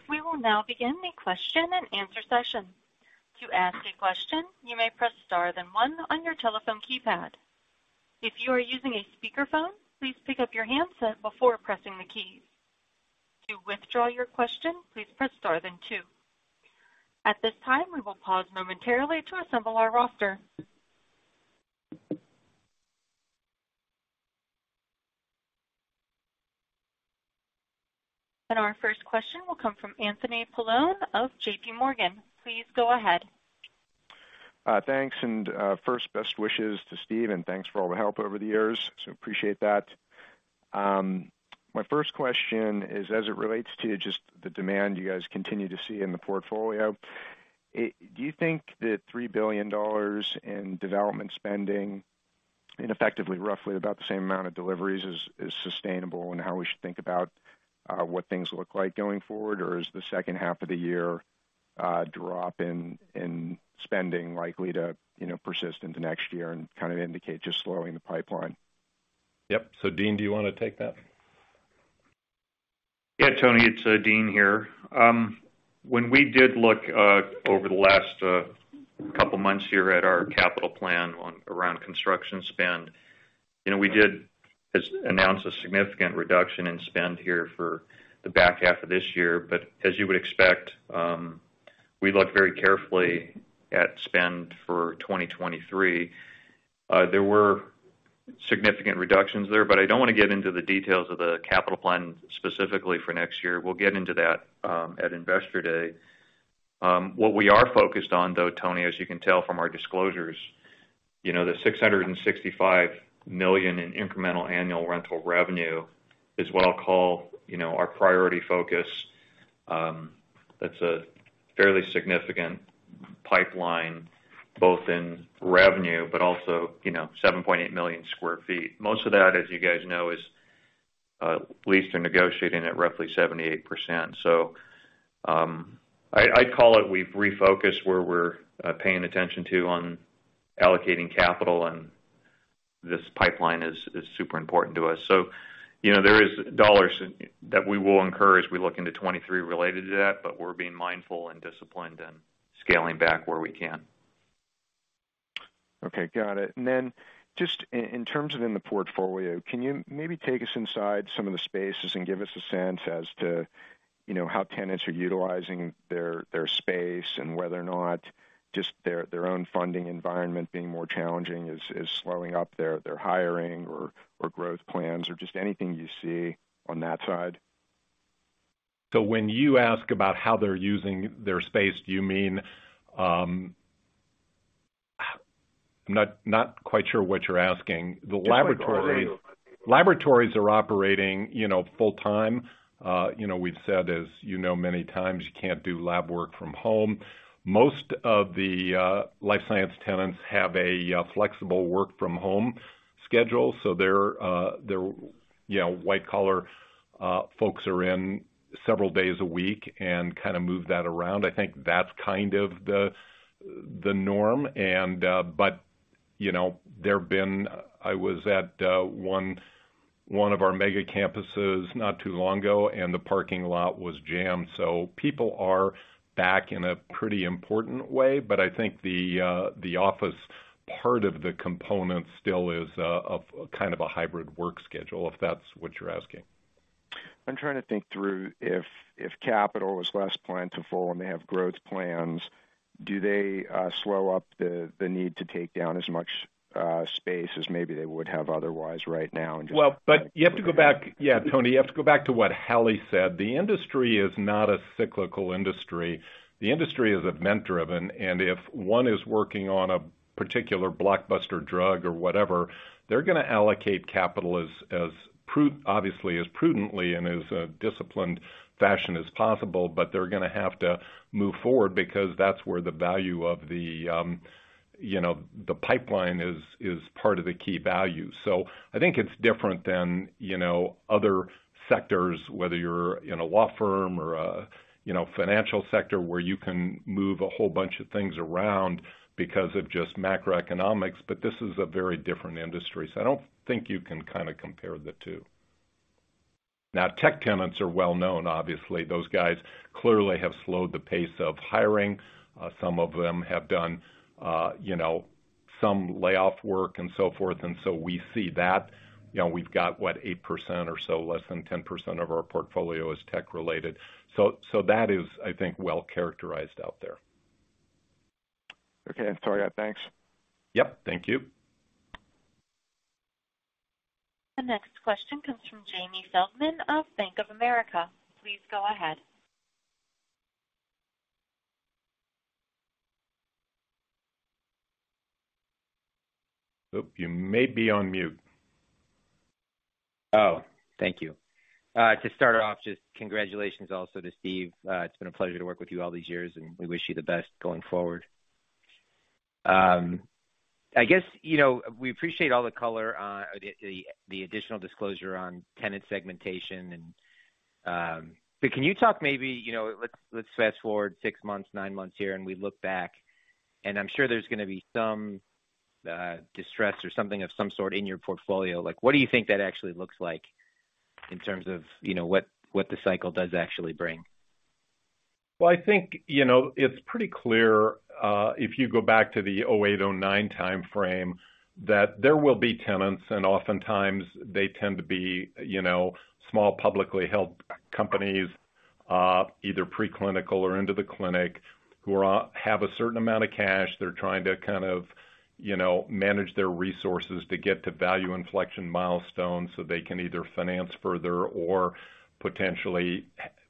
We will now begin the question-and-answer session. To ask a question, you may press star then one on your telephone keypad. If you are using a speakerphone, please pick up your handset before pressing the key. To withdraw your question, please press star then two. At this time, we will pause momentarily to assemble our roster. Our first question will come from Anthony Paolone of JPMorgan. Please go ahead. Thanks. First, best wishes to Steve, and thanks for all the help over the years. Appreciate that. My first question is, as it relates to just the demand you guys continue to see in the portfolio, do you think that $3 billion in development spending and effectively roughly about the same amount of deliveries is sustainable? And how we should think about what things look like going forward. Or is the second half of the year drop in spending likely to persist into next year and kind of indicate just slowing the pipeline? Yep. Dean, do you want to take that? Yeah, Anthony, it's Dean Shigenaga here. When we did look over the last couple months here at our capital plan on around construction spend, you know, we did announce a significant reduction in spend here for the back half of this year. As you would expect, we look very carefully at spend for 2023. There were significant reductions there, but I don't want to get into the details of the capital plan specifically for next year. We'll get into that at Investor Day. What we are focused on, though, Anthony, as you can tell from our disclosures, you know, the $665 million in incremental annual rental revenue is what I'll call, you know, our priority focus. That's a fairly significant pipeline, both in revenue, but also, you know, 7.8 million sq ft. Most of that, as you guys know, is leased or negotiating at roughly 78%. I'd call it we've refocused where we're paying attention to on allocating capital, and this pipeline is super important to us. You know, there is dollars that we will incur as we look into 2023 related to that, but we're being mindful and disciplined and scaling back where we can. Okay, got it. Just in terms of in the portfolio, can you maybe take us inside some of the spaces and give us a sense as to, you know, how tenants are utilizing their space and whether or not just their own funding environment being more challenging is slowing up their hiring or growth plans or just anything you see on that side. When you ask about how they're using their space, do you mean. I'm not quite sure what you're asking. Laboratories are operating, you know, full time. You know, we've said, as you know, many times you can't do lab work from home. Most of the life science tenants have a flexible work from home schedule. They're you know, white collar folks are in several days a week and kinda move that around. I think that's kind of the norm and you know, I was at one of our mega campuses not too long ago, and the parking lot was jammed. People are back in a pretty important way, but I think the office part of the component still is, of kind of a hybrid work schedule, if that's what you're asking. I'm trying to think through if capital is less plentiful when they have growth plans, do they slow up the need to take down as much space as maybe they would have otherwise right now and just You have to go back. Yeah, Anthony, you have to go back to what Hallie said. The industry is not a cyclical industry. The industry is event-driven, and if one is working on a particular blockbuster drug or whatever, they're gonna allocate capital obviously, as prudently and as a disciplined fashion as possible. They're gonna have to move forward because that's where the value of the, you know, the pipeline is part of the key value. I think it's different than, you know, other sectors, whether you're in a law firm or a, you know, financial sector where you can move a whole bunch of things around because of just macroeconomics. This is a very different industry, so I don't think you can kinda compare the two. Now, tech tenants are well known. Obviously, those guys clearly have slowed the pace of hiring. Some of them have done, you know, some layoff work and so forth. We see that. You know, we've got, what, 8% or so, less than 10% of our portfolio is tech-related. That is, I think, well characterized out there. Okay. Sorry. Thanks. Yep. Thank you. The next question comes from Jamie Feldman of Bank of America. Please go ahead. Oh, you may be on mute. Oh, thank you. To start off, just congratulations also to Steve. It's been a pleasure to work with you all these years, and we wish you the best going forward. I guess, you know, we appreciate all the color on the additional disclosure on tenant segmentation, and can you talk maybe, you know, let's fast forward six months, nine months here, and we look back, and I'm sure there's gonna be some distress or something of some sort in your portfolio. Like, what do you think that actually looks like in terms of, you know, what the cycle does actually bring? Well, I think, you know, it's pretty clear, if you go back to the 2008, 2009 timeframe, that there will be tenants, and oftentimes they tend to be, you know, small, publicly held companies, either preclinical or into the clinic, who have a certain amount of cash. They're trying to kind of, you know, manage their resources to get to value inflection milestones, so they can either finance further or potentially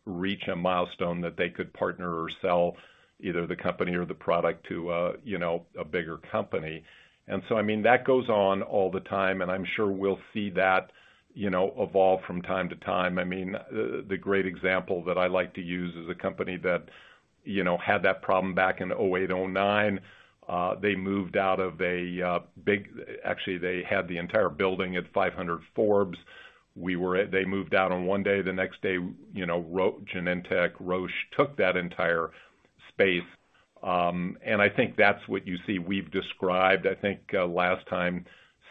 reach a milestone that they could partner or sell either the company or the product to, you know, a bigger company. I mean, that goes on all the time, and I'm sure we'll see that, you know, evolve from time to time. I mean, the great example that I like to use is a company that, you know, had that problem back in 2008, 2009. Actually, they had the entire building at 500 Forbes. They moved out on one day. The next day, you know, Genentech, Roche took that entire space. I think that's what you see. We've described, I think, last time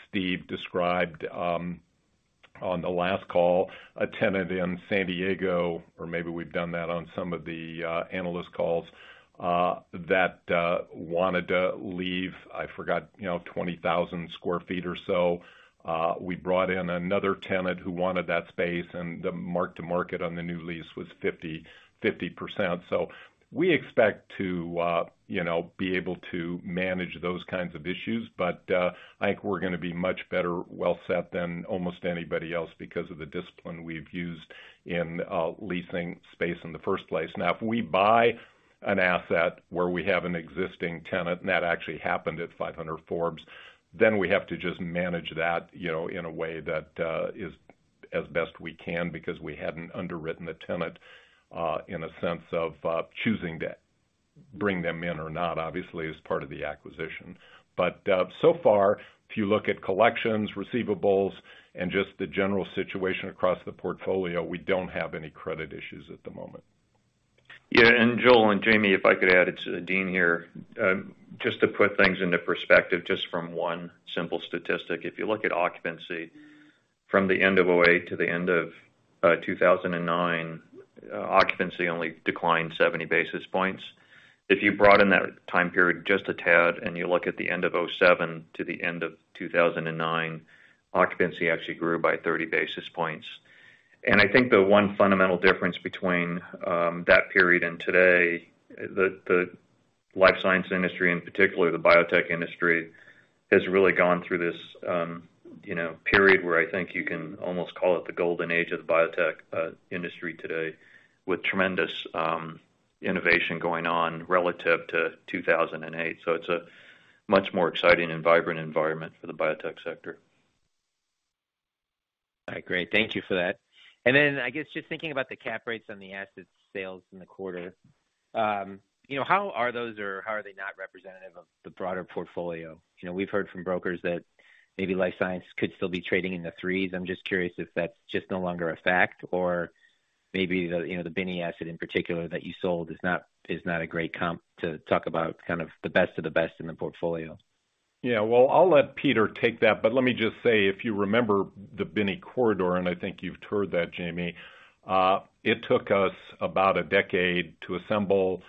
Steve described, on the last call, a tenant in San Diego, or maybe we've done that on some of the analyst calls, that wanted to leave, I forgot, you know, 20,000 sq ft or so. We brought in another tenant who wanted that space, and the mark to market on the new lease was 50%. We expect to, you know, be able to manage those kinds of issues. I think we're gonna be much better well-set than almost anybody else because of the discipline we've used in leasing space in the first place. Now, if we buy an asset where we have an existing tenant, and that actually happened at 500 Forbes, then we have to just manage that, you know, in a way that is as best we can because we hadn't underwritten the tenant in a sense of choosing to bring them in or not, obviously, as part of the acquisition. So far, if you look at collections, receivables, and just the general situation across the portfolio, we don't have any credit issues at the moment. Yeah. Joel and Jamie, if I could add, it's Dean here. Just to put things into perspective, just from one simple statistic. If you look at occupancy from the end of 2008 to the end of 2009, occupancy only declined 70 basis points. If you broaden that time period just a tad, and you look at the end of 2007 to the end of 2009, occupancy actually grew by 30 basis points. I think the one fundamental difference between that period and today, the life science industry, in particular the biotech industry, has really gone through this, you know, period where I think you can almost call it the golden age of the biotech industry today, with tremendous innovation going on relative to 2008. It's a much more exciting and vibrant environment for the biotech sector. All right. Great. Thank you for that. Then, I guess, just thinking about the cap rates on the asset sales in the quarter, you know, how are those or how are they not representative of the broader portfolio? You know, we've heard from brokers that maybe life science could still be trading in the threes. I'm just curious if that's just no longer a fact or maybe the, you know, the Binney asset in particular that you sold is not a great comp to talk about kind of the best of the best in the portfolio. Well, I'll let Peter take that, but let me just say, if you remember the Binney corridor, and I think you've toured that, Jamie, it took us about a decade to assemble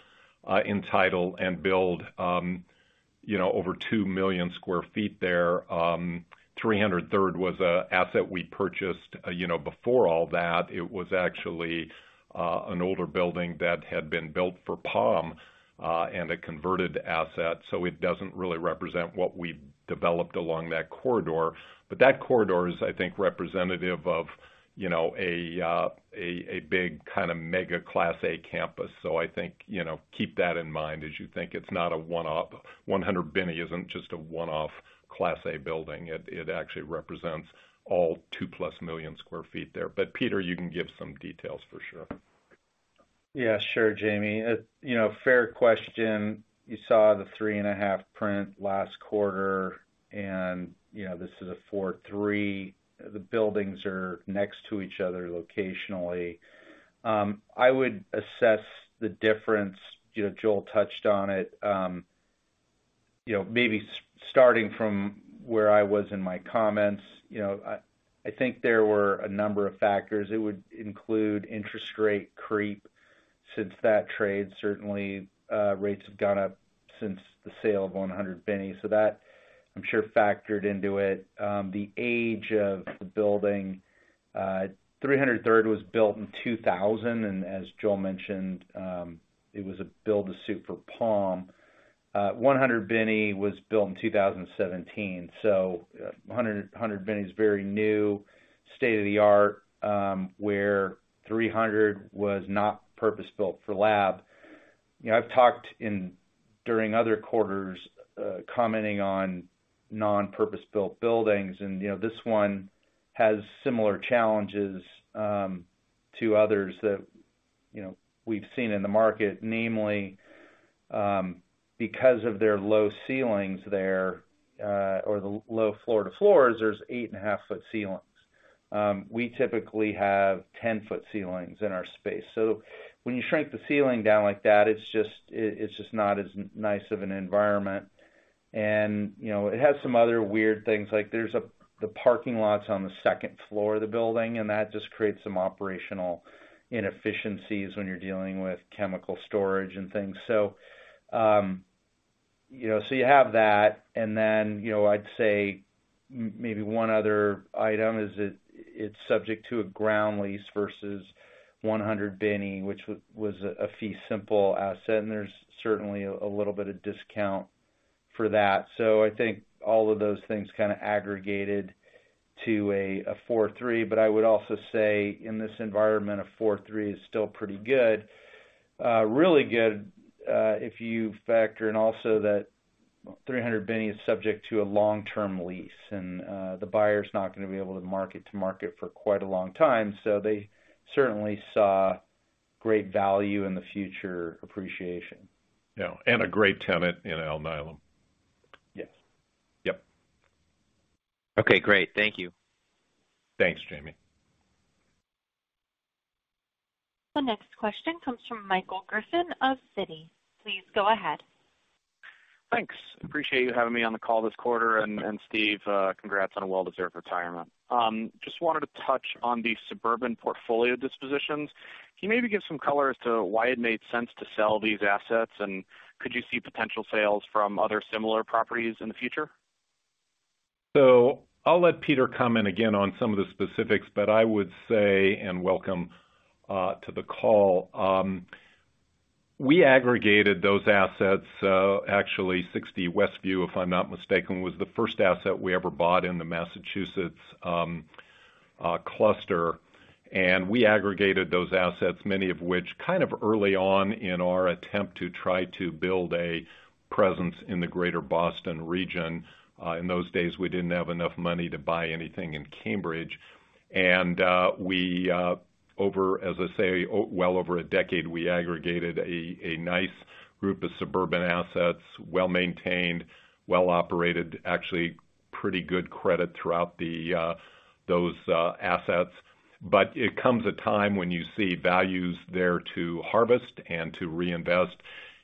in title and build, you know, over 2 million sq ft there. 300 Third was an asset we purchased, you know, before all that. It was actually an older building that had been built for Palm and a converted asset, so it doesn't really represent what we've developed along that corridor. That corridor is, I think, representative of, you know, a big kind of mega class A campus. I think, you know, keep that in mind as you think it's not a one-off. 100 Binney isn't just a one-off class A building. It actually represents all 2 million+ sq ft there. Peter, you can give some details for sure. Yeah, sure, Jamie. You know, fair question. You saw the 3.5 print last quarter, and, you know, this is a 4.3. The buildings are next to each other locationally. I would assess the difference, you know, Joel touched on it. You know, maybe starting from where I was in my comments, you know, I think there were a number of factors. It would include interest rate creep since that trade. Certainly, rates have gone up since the sale of 100 Binney, so that, I'm sure, factored into it. The age of the building. 300 Third was built in 2000, and as Joel mentioned, it was a build-to-suit for Palm. 100 Binney was built in 2017. 100 Binney's very new, state-of-the-art, where 300 was not purpose-built for lab. You know, I've talked during other quarters, commenting on non-purpose-built buildings and, you know, this one has similar challenges, to others that, you know, we've seen in the market, namely, because of their low ceilings there, or the low floor-to-floors, there's 8.5-ft ceilings. We typically have 10-ft ceilings in our space. When you shrink the ceiling down like that, it's just not as nice of an environment. You know, it has some other weird things, like there's the parking lot's on the second floor of the building, and that just creates some operational inefficiencies when you're dealing with chemical storage and things. You know, so you have that. You know, I'd say maybe one other item is it's subject to a ground lease versus 100 Binney, which was a fee simple asset, and there's certainly a little bit of discount for that. I think all of those things kinda aggregated to a 4.3, but I would also say in this environment, a 4.3 is still pretty good. Really good, if you factor in also that 300 Binney is subject to a long-term lease and the buyer's not gonna be able to mark to market for quite a long time. They certainly saw great value in the future appreciation. Yeah. A great tenant in Alnylam. Yes. Yep. Okay, great. Thank you. Thanks, Jamie. The next question comes from Michael Griffin of Citi. Please go ahead. Thanks. Appreciate you having me on the call this quarter, and Steve, congrats on a well-deserved retirement. Just wanted to touch on the suburban portfolio dispositions. Can you maybe give some color as to why it made sense to sell these assets, and could you see potential sales from other similar properties in the future? I'll let Peter comment again on some of the specifics, but I would say and welcome to the call. We aggregated those assets. Actually, 60 Westview, if I'm not mistaken, was the first asset we ever bought in the Massachusetts cluster. We aggregated those assets, many of which kind of early on in our attempt to try to build a presence in the greater Boston region. In those days, we didn't have enough money to buy anything in Cambridge. We over, as I say, well over a decade, we aggregated a nice group of suburban assets, well-maintained, well-operated, actually pretty good credit throughout those assets. It comes a time when you see values there to harvest and to reinvest,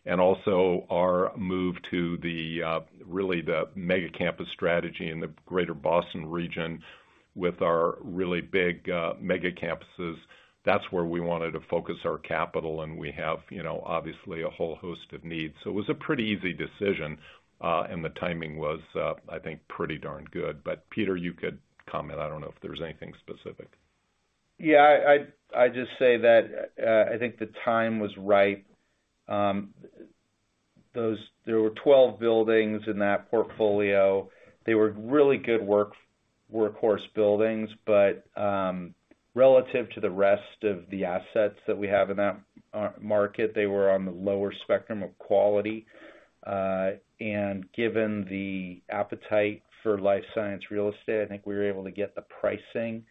and also our move to the really the mega campus strategy in the greater Boston region with our really big mega campuses. That's where we wanted to focus our capital, and we have, you know, obviously a whole host of needs. It was a pretty easy decision, and the timing was, I think, pretty darn good. Peter, you could comment. I don't know if there was anything specific. Yeah. I'd just say that I think the time was right. There were 12 buildings in that portfolio. They were really good workhorse buildings, but relative to the rest of the assets that we have in that market, they were on the lower spectrum of quality. Given the appetite for life science real estate, I think we were able to get the pricing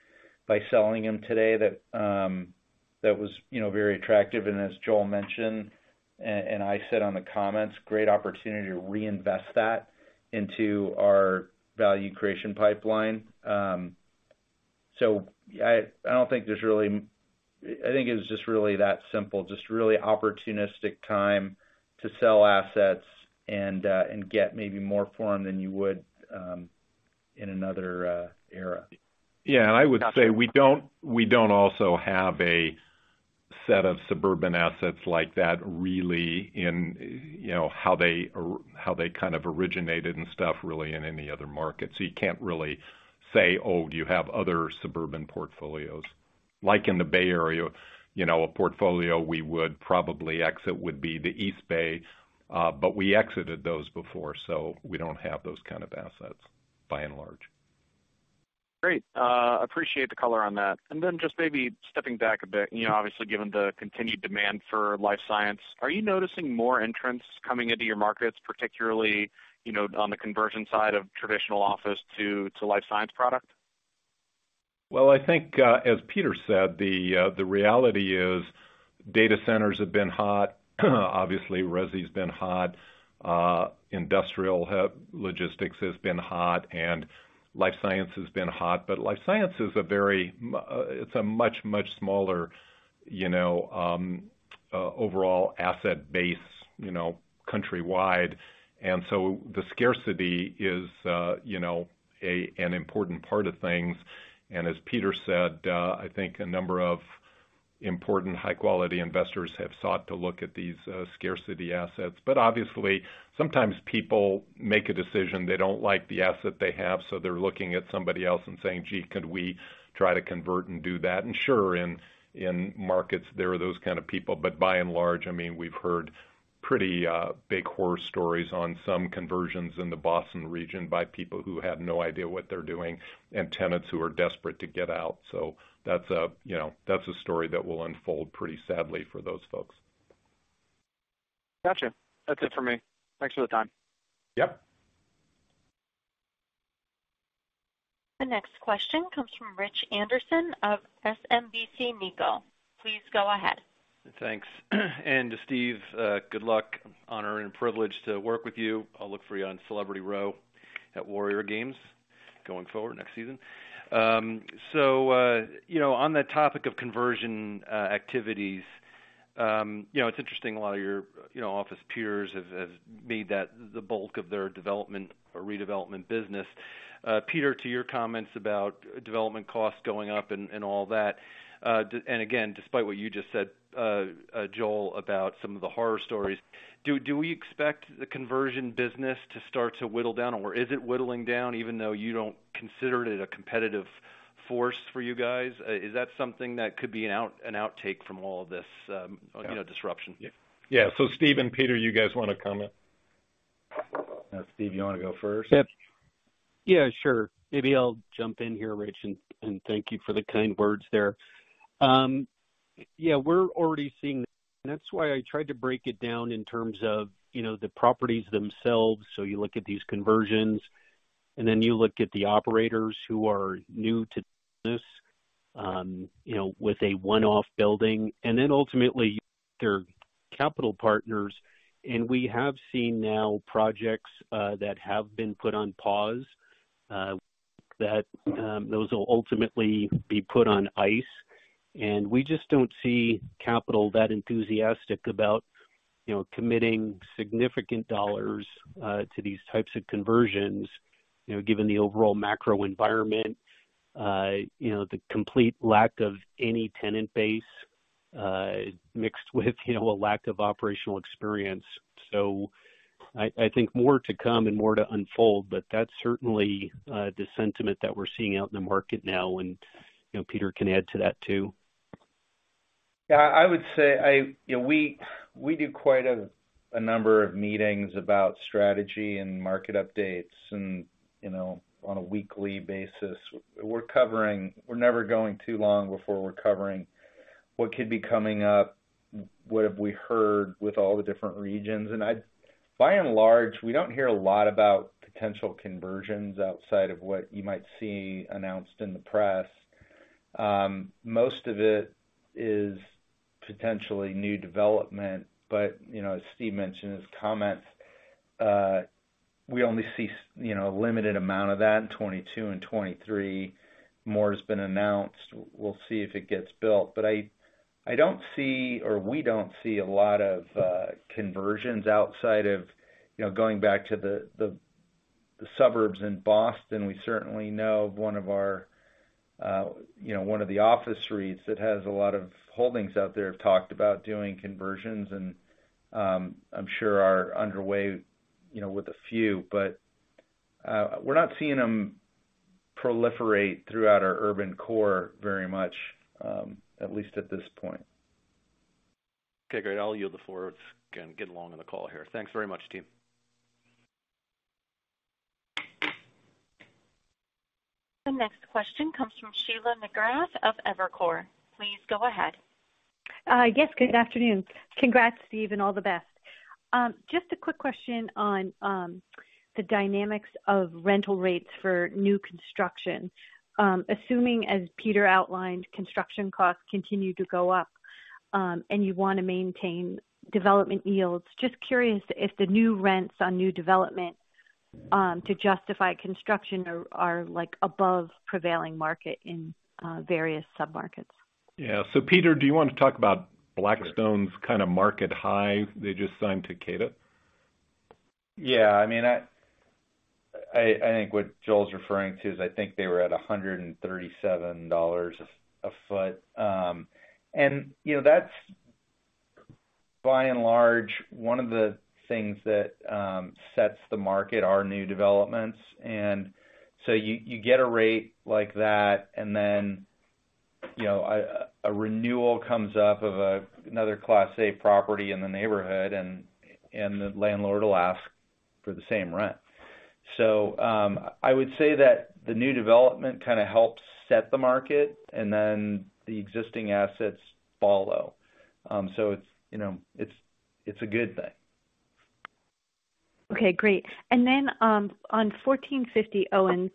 by selling them today that was, you know, very attractive, and as Joel mentioned. I said in the comments, great opportunity to reinvest that into our value creation pipeline. I don't think there's really. I think it's just really that simple. Just really opportunistic time to sell assets and get maybe more for them than you would in another era. Yeah. I would say we don't also have a set of suburban assets like that really in, you know, how they kind of originated and stuff really in any other market. You can't really say, "Oh, do you have other suburban portfolios?" Like in the Bay Area, you know, a portfolio we would probably exit would be the East Bay, but we exited those before, so we don't have those kind of assets by and large. Great. Appreciate the color on that. Just maybe stepping back a bit, you know, obviously, given the continued demand for life science, are you noticing more entrants coming into your markets, particularly, you know, on the conversion side of traditional office to life science product? Well, I think, as Peter said, the reality is data centers have been hot. Obviously, resi's been hot. Industrial logistics has been hot, and life science has been hot. Life science is a much smaller, you know, overall asset base, you know, countrywide. The scarcity is, you know, an important part of things. As Peter said, I think a number of important high-quality investors have sought to look at these scarcity assets. Obviously, sometimes people make a decision they don't like the asset they have, so they're looking at somebody else and saying, "Gee, could we try to convert and do that?" Sure, in markets there are those kind of people. By and large, I mean, we've heard pretty big horror stories on some conversions in the Boston region by people who have no idea what they're doing and tenants who are desperate to get out. You know, that's a story that will unfold pretty sadly for those folks. Gotcha. That's it for me. Thanks for the time. Yep. The next question comes from Richard Anderson of SMBC Nikko. Please go ahead. Thanks. To Steve, good luck. Honor and privilege to work with you. I'll look for you on celebrity row at Warrior Games going forward next season. You know, on the topic of conversion activities, you know, it's interesting a lot of your, you know, office peers have made that the bulk of their development or redevelopment business. Peter, to your comments about development costs going up and all that, and again, despite what you just said, Joel, about some of the horror stories, do we expect the conversion business to start to whittle down or is it whittling down even though you don't consider it a competitive force for you guys? Is that something that could be an outcome from all of this, you know, disruption? Yeah. Steve and Peter, you guys wanna comment? Steve, you wanna go first? Yep. Yeah, sure. Maybe I'll jump in here, Richard, and thank you for the kind words there. Yeah, we're already seeing. That's why I tried to break it down in terms of, you know, the properties themselves. You look at these conversions, and then you look at the operators who are new to this, you know, with a one-off building and then ultimately their capital partners. We have seen now projects that have been put on pause that those will ultimately be put on ice. We just don't see capital that enthusiastic about, you know, committing significant dollars to these types of conversions, you know, given the overall macro environment, you know, the complete lack of any tenant base mixed with, you know, a lack of operational experience. I think more to come and more to unfold, but that's certainly the sentiment that we're seeing out in the market now. You know, Peter can add to that too. Yeah, I would say. You know, we do quite a number of meetings about strategy and market updates and, you know, on a weekly basis. We're never going too long before we're covering what could be coming up, what have we heard with all the different regions. By and large, we don't hear a lot about potential conversions outside of what you might see announced in the press. Most of it is potentially new development. But you know, as Steve mentioned in his comments, we only see you know, a limited amount of that in 2022 and 2023. More has been announced. We'll see if it gets built. But I don't see or we don't see a lot of conversions outside of, you know, going back to the suburbs in Boston. We certainly know you know one of the office REITs that has a lot of holdings out there have talked about doing conversions, and I'm sure are underway you know with a few. We're not seeing them proliferate throughout our urban core very much, at least at this point. Okay, great. I'll yield the floor and get along on the call here. Thanks very much, team. The next question comes from Sheila McGrath of Evercore. Please go ahead. Yes, good afternoon. Congrats, Steve, and all the best. Just a quick question on the dynamics of rental rates for new construction. Assuming, as Peter outlined, construction costs continue to go up, and you wanna maintain development yields. Just curious if the new rents on new development to justify construction are like above prevailing market in various submarkets. Yeah. Peter, do you want to talk about Blackstone's kind of market high they just signed Takeda? I mean, I think what Joel's referring to is I think they were at $137 a foot. You know, that's by and large one of the things that sets the market, are new developments. You get a rate like that, and then, you know, a renewal comes up of another class A property in the neighborhood, and the landlord will ask for the same rent. I would say that the new development kind of helps set the market and then the existing assets follow. It's, you know, it's a good thing. Okay, great. On 1450 Owens,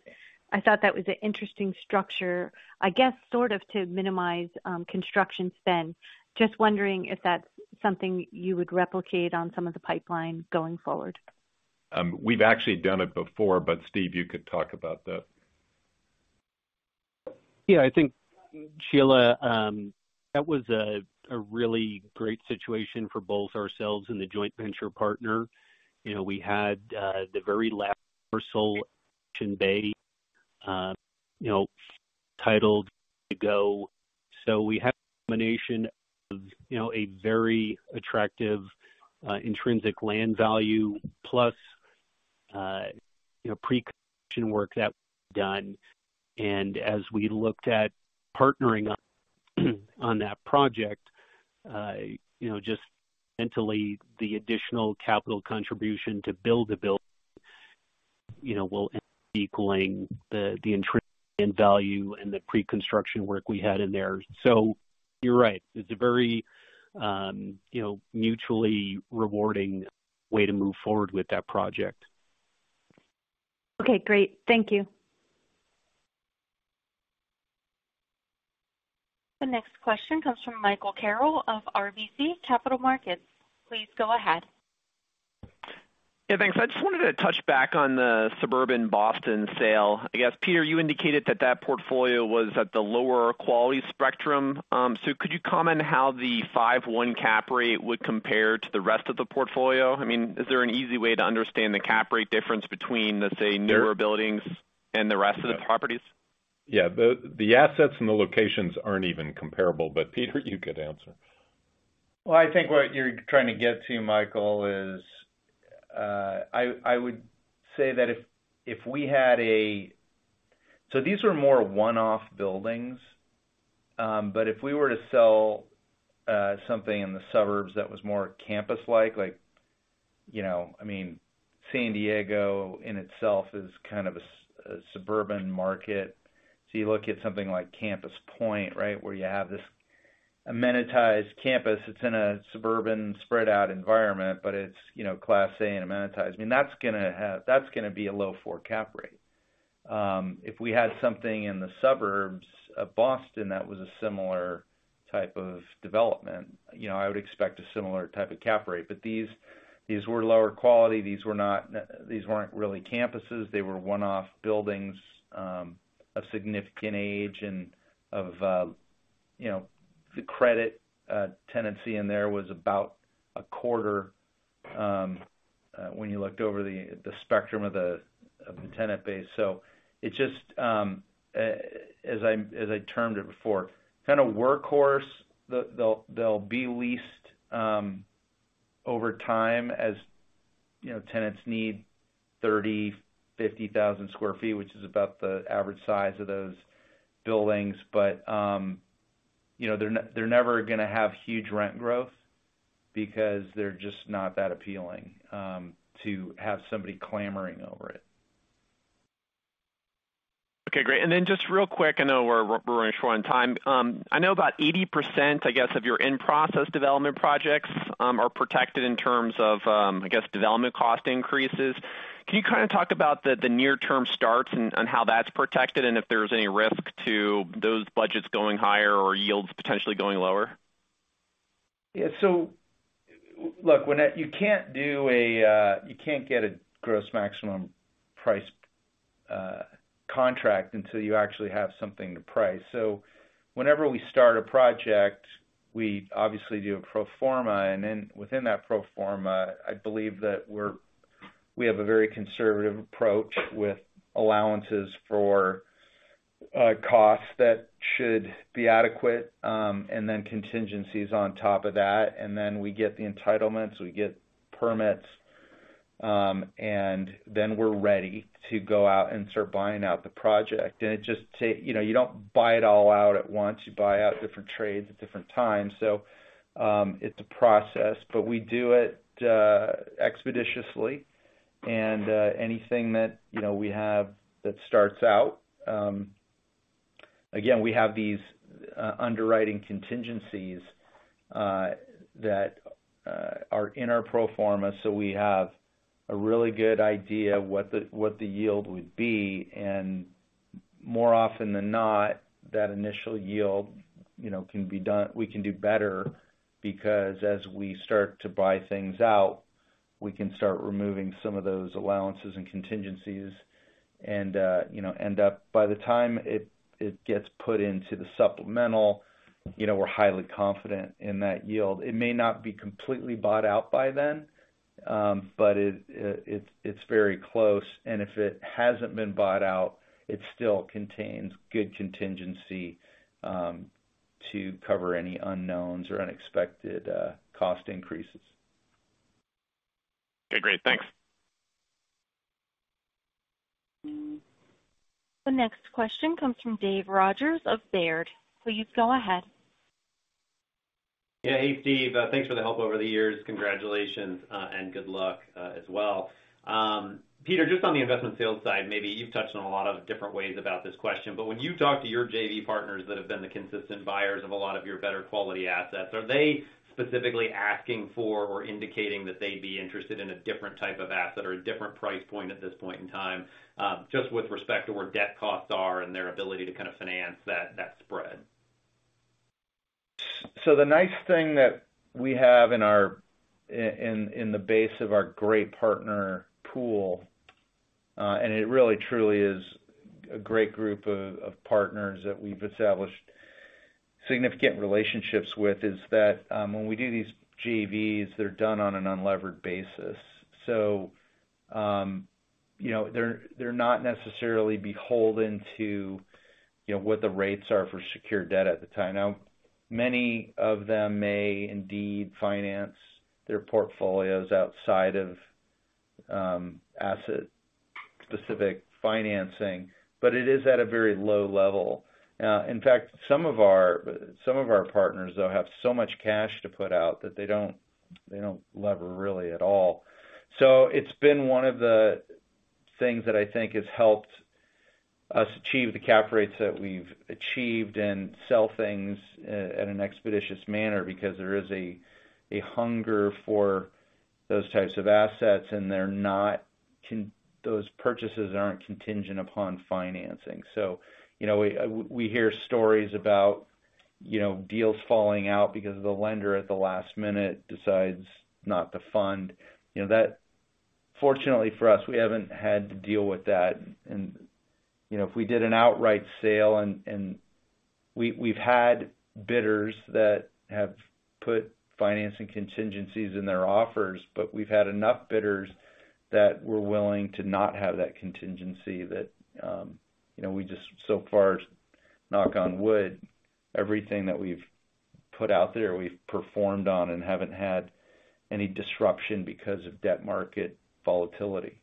I thought that was an interesting structure, I guess, sort of to minimize construction spend. Just wondering if that's something you would replicate on some of the pipeline going forward. We've actually done it before, but Steve, you could talk about that. Yeah. I think, Sheila, that was a really great situation for both ourselves and the joint venture partner. You know, we had the very last parcel in Bay, you know, titled to go. We have a combination of, you know, a very attractive intrinsic land value plus, you know, pre-construction work that we've done. As we looked at partnering up on that project, you know, just mentally the additional capital contribution to build the building, you know, will equaling the intrinsic land value and the pre-construction work we had in there. You're right. It's a very, you know, mutually rewarding way to move forward with that project. Okay, great. Thank you. The next question comes from Michael Carroll of RBC Capital Markets. Please go ahead. Yeah, thanks. I just wanted to touch back on the suburban Boston sale. I guess, Peter, you indicated that that portfolio was at the lower quality spectrum. So could you comment how the 5.1% cap rate would compare to the rest of the portfolio? I mean, is there an easy way to understand the cap rate difference between, let's say, newer buildings and the rest of the properties? Yeah. The assets and the locations aren't even comparable, but Peter, you could answer. Well, I think what you're trying to get to, Michael, is these were more one-off buildings. If we were to sell something in the suburbs that was more campus-like, like, you know, I mean, San Diego in itself is kind of a suburban market. You look at something like Campus Point, right? Where you have this amenitized campus, it's in a suburban spread out environment, but it's, you know, class A and amenitized. I mean, that's gonna be a low 4 cap rate. If we had something in the suburbs of Boston that was a similar type of development, you know, I would expect a similar type of cap rate. These were lower quality. These were not really campuses. They were one-off buildings, a significant age and of, you know, the credit tenancy in there was about a quarter, when you looked over the spectrum of the tenant base. It just, as I termed it before, kind of workhorse. They'll be leased over time as, you know, tenants need 30,000-50,000 sq ft, which is about the average size of those buildings. You know, they're never gonna have huge rent growth because they're just not that appealing to have somebody clamoring over it. Okay, great. Just real quick, I know we're running short on time. I know about 80%, I guess, of your in-process development projects are protected in terms of, I guess, development cost increases. Can you kinda talk about the near term starts and how that's protected and if there's any risk to those budgets going higher or yields potentially going lower? Look, you can't get a gross maximum price contract until you actually have something to price. Whenever we start a project, we obviously do a pro forma, and then within that pro forma, I believe that we have a very conservative approach with allowances for costs that should be adequate, and then contingencies on top of that. Then we get the entitlements, we get permits, and then we're ready to go out and start buying out the project. It just take, you know, you don't buy it all out at once. You buy out different trades at different times. It's a process, but we do it expeditiously. Anything that, you know, we have that starts out, again, we have these underwriting contingencies that are in our pro forma, so we have a really good idea what the yield would be. More often than not, that initial yield, you know, we can do better because as we start to buy things out, we can start removing some of those allowances and contingencies and, you know, end up by the time it gets put into the supplemental, you know, we're highly confident in that yield. It may not be completely bought out by then, but it's very close. If it hasn't been bought out, it still contains good contingency to cover any unknowns or unexpected cost increases. Okay, great. Thanks. The next question comes from David Rogers of Robert W. Baird. Please go ahead. Yeah. Hey, Steve. Thanks for the help over the years. Congratulations, and good luck, as well. Peter, just on the investment sales side, maybe you've touched on a lot of different ways about this question, but when you talk to your JV partners that have been the consistent buyers of a lot of your better quality assets, are they specifically asking for or indicating that they'd be interested in a different type of asset or a different price point at this point in time, just with respect to where debt costs are and their ability to kind of finance that spread? The nice thing that we have in the base of our great partner pool, and it really truly is a great group of partners that we've established significant relationships with, is that, when we do these JVs, they're done on an unlevered basis. You know, they're not necessarily beholden to, you know, what the rates are for secured debt at the time. Now, many of them may indeed finance their portfolios outside of asset-specific financing, but it is at a very low level. In fact, some of our partners though have so much cash to put out that they don't lever really at all. It's been one of the things that I think has helped us achieve the cap rates that we've achieved and sell things in an expeditious manner because there is a hunger for those types of assets, and they're not those purchases aren't contingent upon financing. You know, we hear stories about, you know, deals falling out because the lender at the last minute decides not to fund. You know, that. Fortunately for us, we haven't had to deal with that. You know, if we did an outright sale and we've had bidders that have put financing contingencies in their offers, but we've had enough bidders that were willing to not have that contingency that, you know, we just so far, knock on wood, everything that we've put out there, we've performed on and haven't had any disruption because of debt market volatility.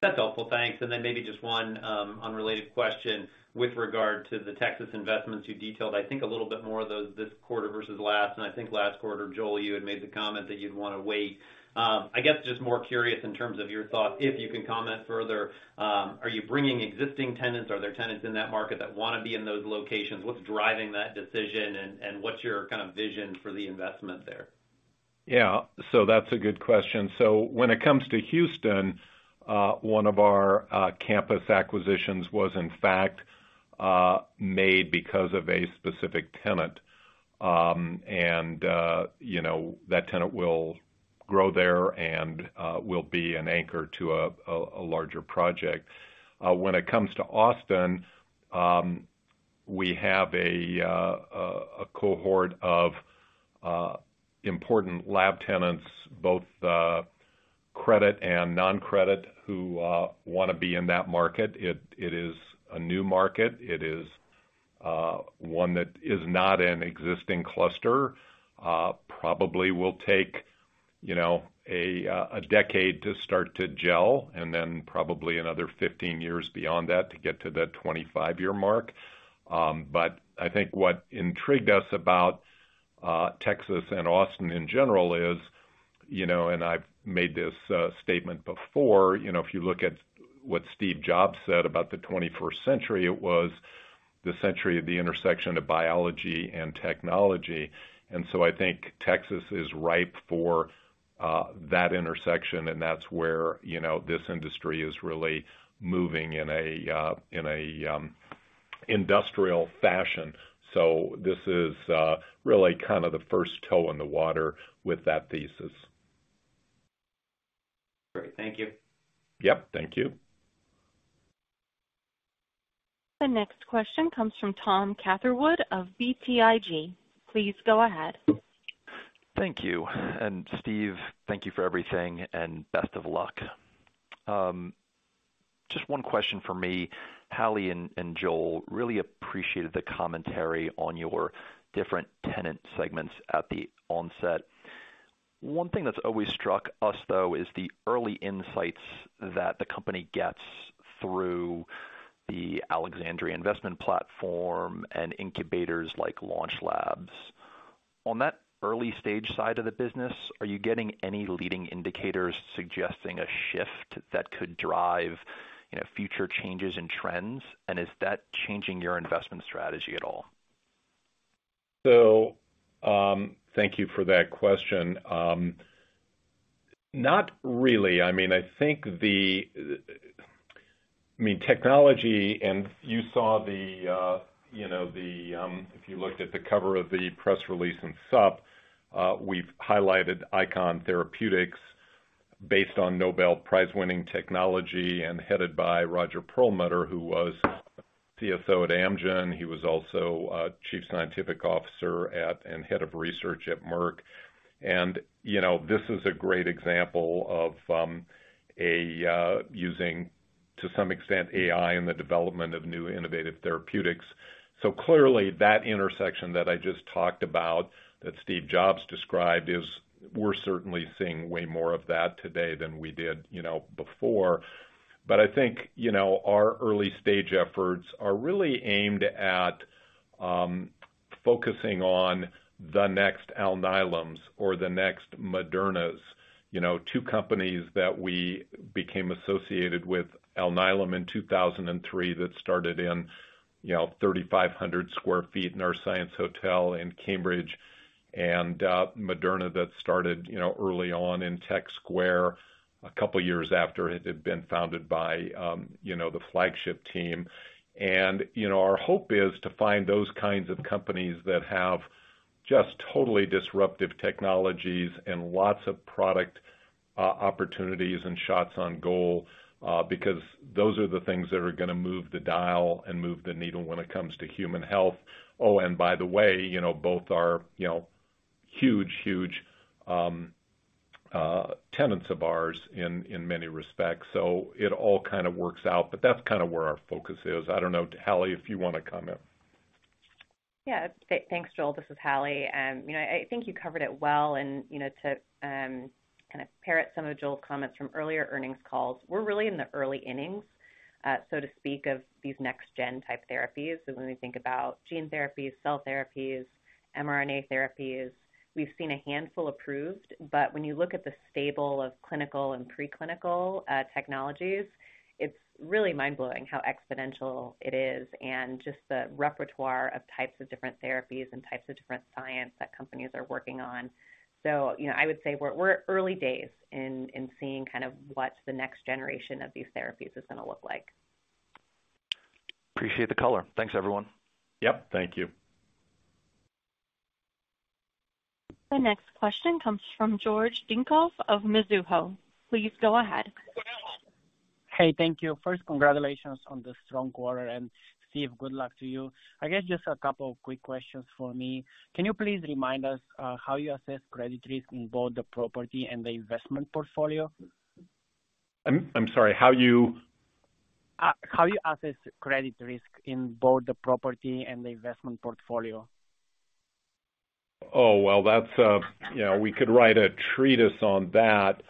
That's helpful. Thanks. Maybe just one unrelated question with regard to the Texas investments you detailed, I think a little bit more of those this quarter versus last. I think last quarter, Joel, you had made the comment that you'd wanna wait. I guess just more curious in terms of your thoughts, if you can comment further, are you bringing existing tenants? Are there tenants in that market that wanna be in those locations? What's driving that decision? What's your kind of vision for the investment there? Yeah. That's a good question. When it comes to Houston, one of our campus acquisitions was in fact made because of a specific tenant. You know that tenant will grow there and will be an anchor to a larger project. When it comes to Austin, we have a cohort of important lab tenants, both credit and non-credit, who wanna be in that market. It is a new market. It is one that is not an existing cluster. Probably will take you know a decade to start to gel, and then probably another 15 years beyond that to get to that 25-year mark. I think what intrigued us about Texas and Austin in general is, you know, and I've made this statement before, you know, if you look at what Steve Jobs said about the 21st century, it was the century of the intersection of biology and technology. I think Texas is ripe for that intersection, and that's where, you know, this industry is really moving in an industrial fashion. This is really kind of the first toe in the water with that thesis. Great. Thank you. Yep. Thank you. The next question comes from Thomas Catherwood of BTIG. Please go ahead. Thank you. Steve, thank you for everything, and best of luck. Just one question from me. Hallie and Joel really appreciated the commentary on your different tenant segments at the onset. One thing that's always struck us, though, is the early insights that the company gets through the Alexandria investment platform and incubators like LaunchLabs. On that early-stage side of the business, are you getting any leading indicators suggesting a shift that could drive, you know, future changes in trends? Is that changing your investment strategy at all? Thank you for that question. Not really. I mean, I think technology and you saw the, you know, the, if you looked at the cover of the press release in support, we've highlighted Eikon Therapeutics based on Nobel Prize-winning technology and headed by Roger Perlmutter, who was CSO at Amgen. He was also chief scientific officer at Merck and head of research at Merck. You know, this is a great example of using to some extent AI in the development of new innovative therapeutics. Clearly that intersection that I just talked about that Steve Jobs described is we're certainly seeing way more of that today than we did, you know, before. I think, you know, our early-stage efforts are really aimed at focusing on the next Alnylams or the next Modernas. You know, two companies that we became associated with Alnylam in 2003 that started in, you know, 3,500 sq ft in our Science Hotel in Cambridge. Moderna that started, you know, early on in Tech Square a couple years after it had been founded by, you know, the Flagship team. Our hope is to find those kinds of companies that have just totally disruptive technologies and lots of product opportunities and shots on goal, because those are the things that are gonna move the dial and move the needle when it comes to human health. Oh, and by the way, you know, both are, you know, huge tenants of ours in many respects. It all kind of works out, but that's kind of where our focus is. I don't know, Hallie, if you wanna comment. Yeah. Thanks, Joel. This is Hallie. You know, I think you covered it well. You know, to kind of parrot some of Joel's comments from earlier earnings calls, we're really in the early innings, so to speak, of these next gen type therapies. When we think about gene therapies, cell therapies, mRNA therapies, we've seen a handful approved. When you look at the stable of clinical and preclinical technologies, it's really mind-blowing how exponential it is and just the repertoire of types of different therapies and types of different science that companies are working on. You know, I would say we're early days in seeing kind of what the next generation of these therapies is gonna look like. Appreciate the color. Thanks, everyone. Yep. Thank you. The next question comes from Georgi Dinkov of Mizuho. Please go ahead. Hey, thank you. First, congratulations on the strong quarter and Steve, good luck to you. I guess just a couple of quick questions for me. Can you please remind us how you assess credit risk in both the property and the investment portfolio? I'm sorry, how you? How you assess credit risk in both the property and the investment portfolio? Oh, well, that's, you know, we could write a treatise on that.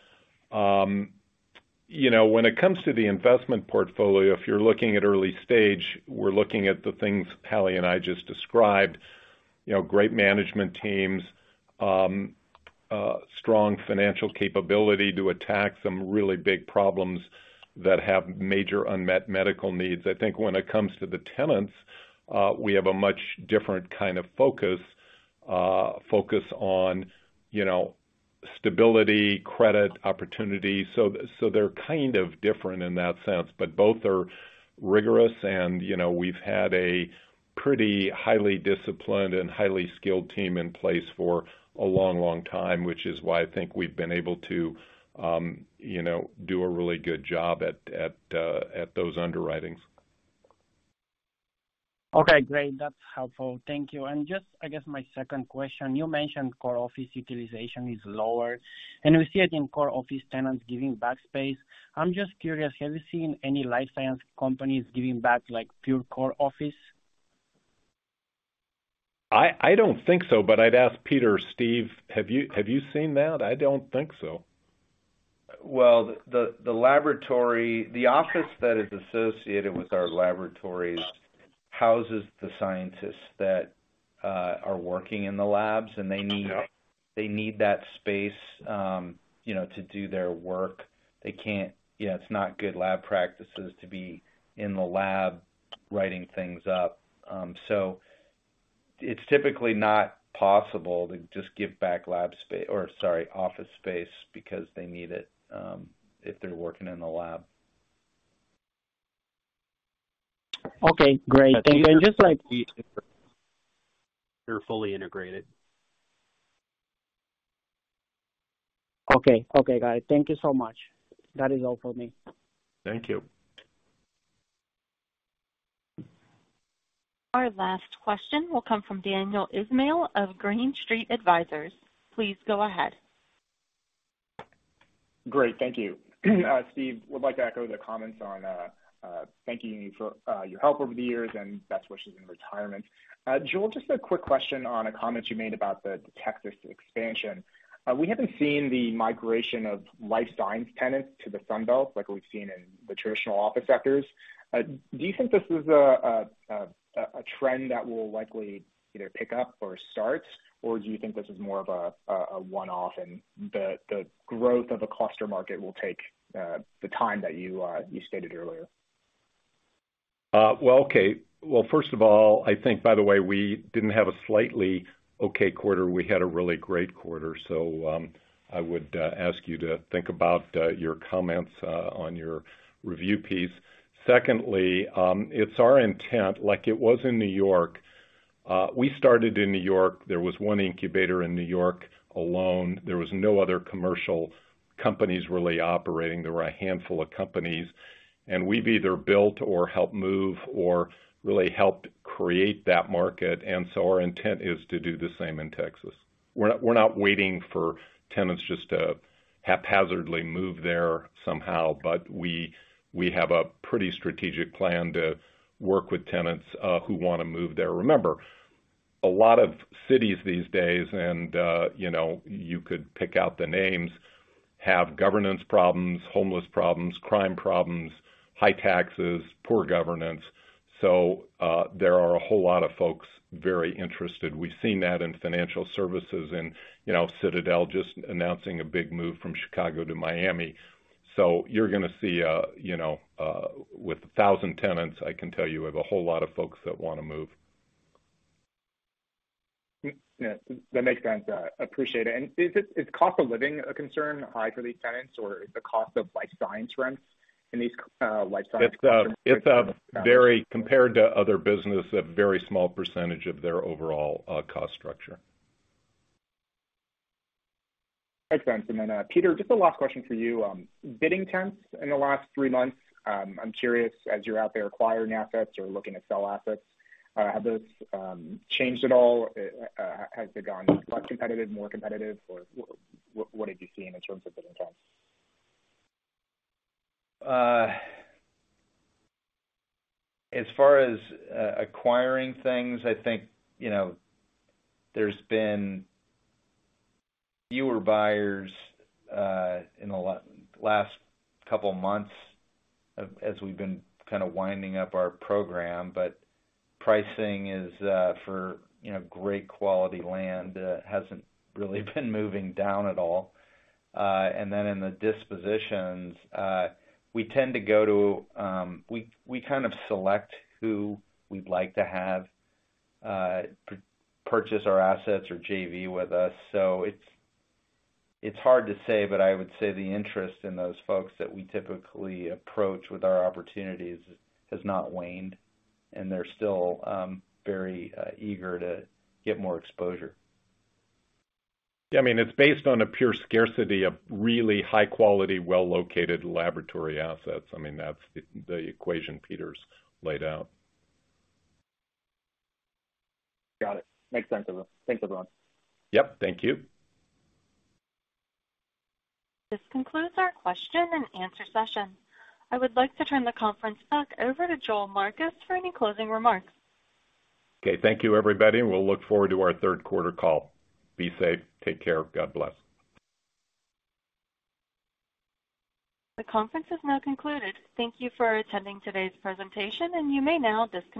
You know, when it comes to the investment portfolio, if you're looking at early stage, we're looking at the things Hallie and I just described. You know, great management teams, strong financial capability to attack some really big problems that have major unmet medical needs. I think when it comes to the tenants, we have a much different kind of focus. Focus on, you know, stability, credit, opportunity. So, they're kind of different in that sense, but both are rigorous. You know, we've had a pretty highly disciplined and highly skilled team in place for a long, long time, which is why I think we've been able to, you know, do a really good job at those underwritings. Okay, great. That's helpful. Thank you. Just I guess my second question, you mentioned core office utilization is lower, and we see it in core office tenants giving back space. I'm just curious, have you seen any life science companies giving back like pure core office? I don't think so, but I'd ask Peter or Steve. Have you seen that? I don't think so. Well, the laboratory, the office that is associated with our laboratories houses the scientists that are working in the labs, and they need. Yeah. They need that space, you know, to do their work. They can't. You know, it's not good lab practices to be in the lab writing things up. So it's typically not possible to just give back lab space, or sorry, office space because they need it, if they're working in the lab. Okay, great. Just like- They're fully integrated. Okay. Okay, got it. Thank you so much. That is all for me. Thank you. Our last question will come from Daniel Ismail of Green Street Advisors. Please go ahead. Great. Thank you. Steve, would like to echo the comments on thanking you for your help over the years and best wishes in retirement. Joel, just a quick question on a comment you made about the Texas expansion. We haven't seen the migration of life science tenants to the Sun Belt like we've seen in the traditional office sectors. Do you think this is a trend that will likely either pick up or start? Or do you think this is more of a one-off and the growth of a cluster market will take the time that you stated earlier? Well, okay. Well, first of all, I think by the way, we didn't have a slightly okay quarter, we had a really great quarter. I would ask you to think about your comments on your review piece. Secondly, it's our intent, like it was in New York. We started in New York. There was one incubator in New York alone. There was no other commercial companies really operating. There were a handful of companies. We've either built or helped move or really helped create that market. Our intent is to do the same in Texas. We're not waiting for tenants just to haphazardly move there somehow, but we have a pretty strategic plan to work with tenants who wanna move there. Remember, a lot of cities these days you could pick out the names have governance problems, homeless problems, crime problems, high taxes, poor governance. There are a whole lot of folks very interested. We've seen that in financial services, Citadel just announcing a big move from Chicago to Miami. You're gonna see, with 1,000 tenants, I can tell you we have a whole lot of folks that wanna move. Yeah, that makes sense. Appreciate it. Is cost of living a concern high for these tenants, or is the cost of life science rents in these life science- Compared to other business, a very small percentage of their overall cost structure. Makes sense. Peter, just a last question for you. Bidding trends in the last three months, I'm curious, as you're out there acquiring assets or looking to sell assets, have those changed at all? Has it gotten less competitive, more competitive, or what have you seen in terms of bidding trends? As far as acquiring things, I think, you know, there's been fewer buyers in the last couple months as we've been kinda winding up our program. Pricing is for you know great quality land hasn't really been moving down at all. In the dispositions, we tend to go to we kind of select who we'd like to have purchase our assets or JV with us. It's hard to say, but I would say the interest in those folks that we typically approach with our opportunities has not waned, and they're still very eager to get more exposure. Yeah. I mean, it's based on a pure scarcity of really high quality, well-located laboratory assets. I mean, that's the equation Peter's laid out. Got it. Makes sense. Thanks, everyone. Yep. Thank you. This concludes our question and answer session. I would like to turn the conference back over to Joel Marcus for any closing remarks. Okay. Thank you, everybody, and we'll look forward to our third quarter call. Be safe. Take care. God bless. The conference is now concluded. Thank you for attending today's presentation, and you may now disconnect.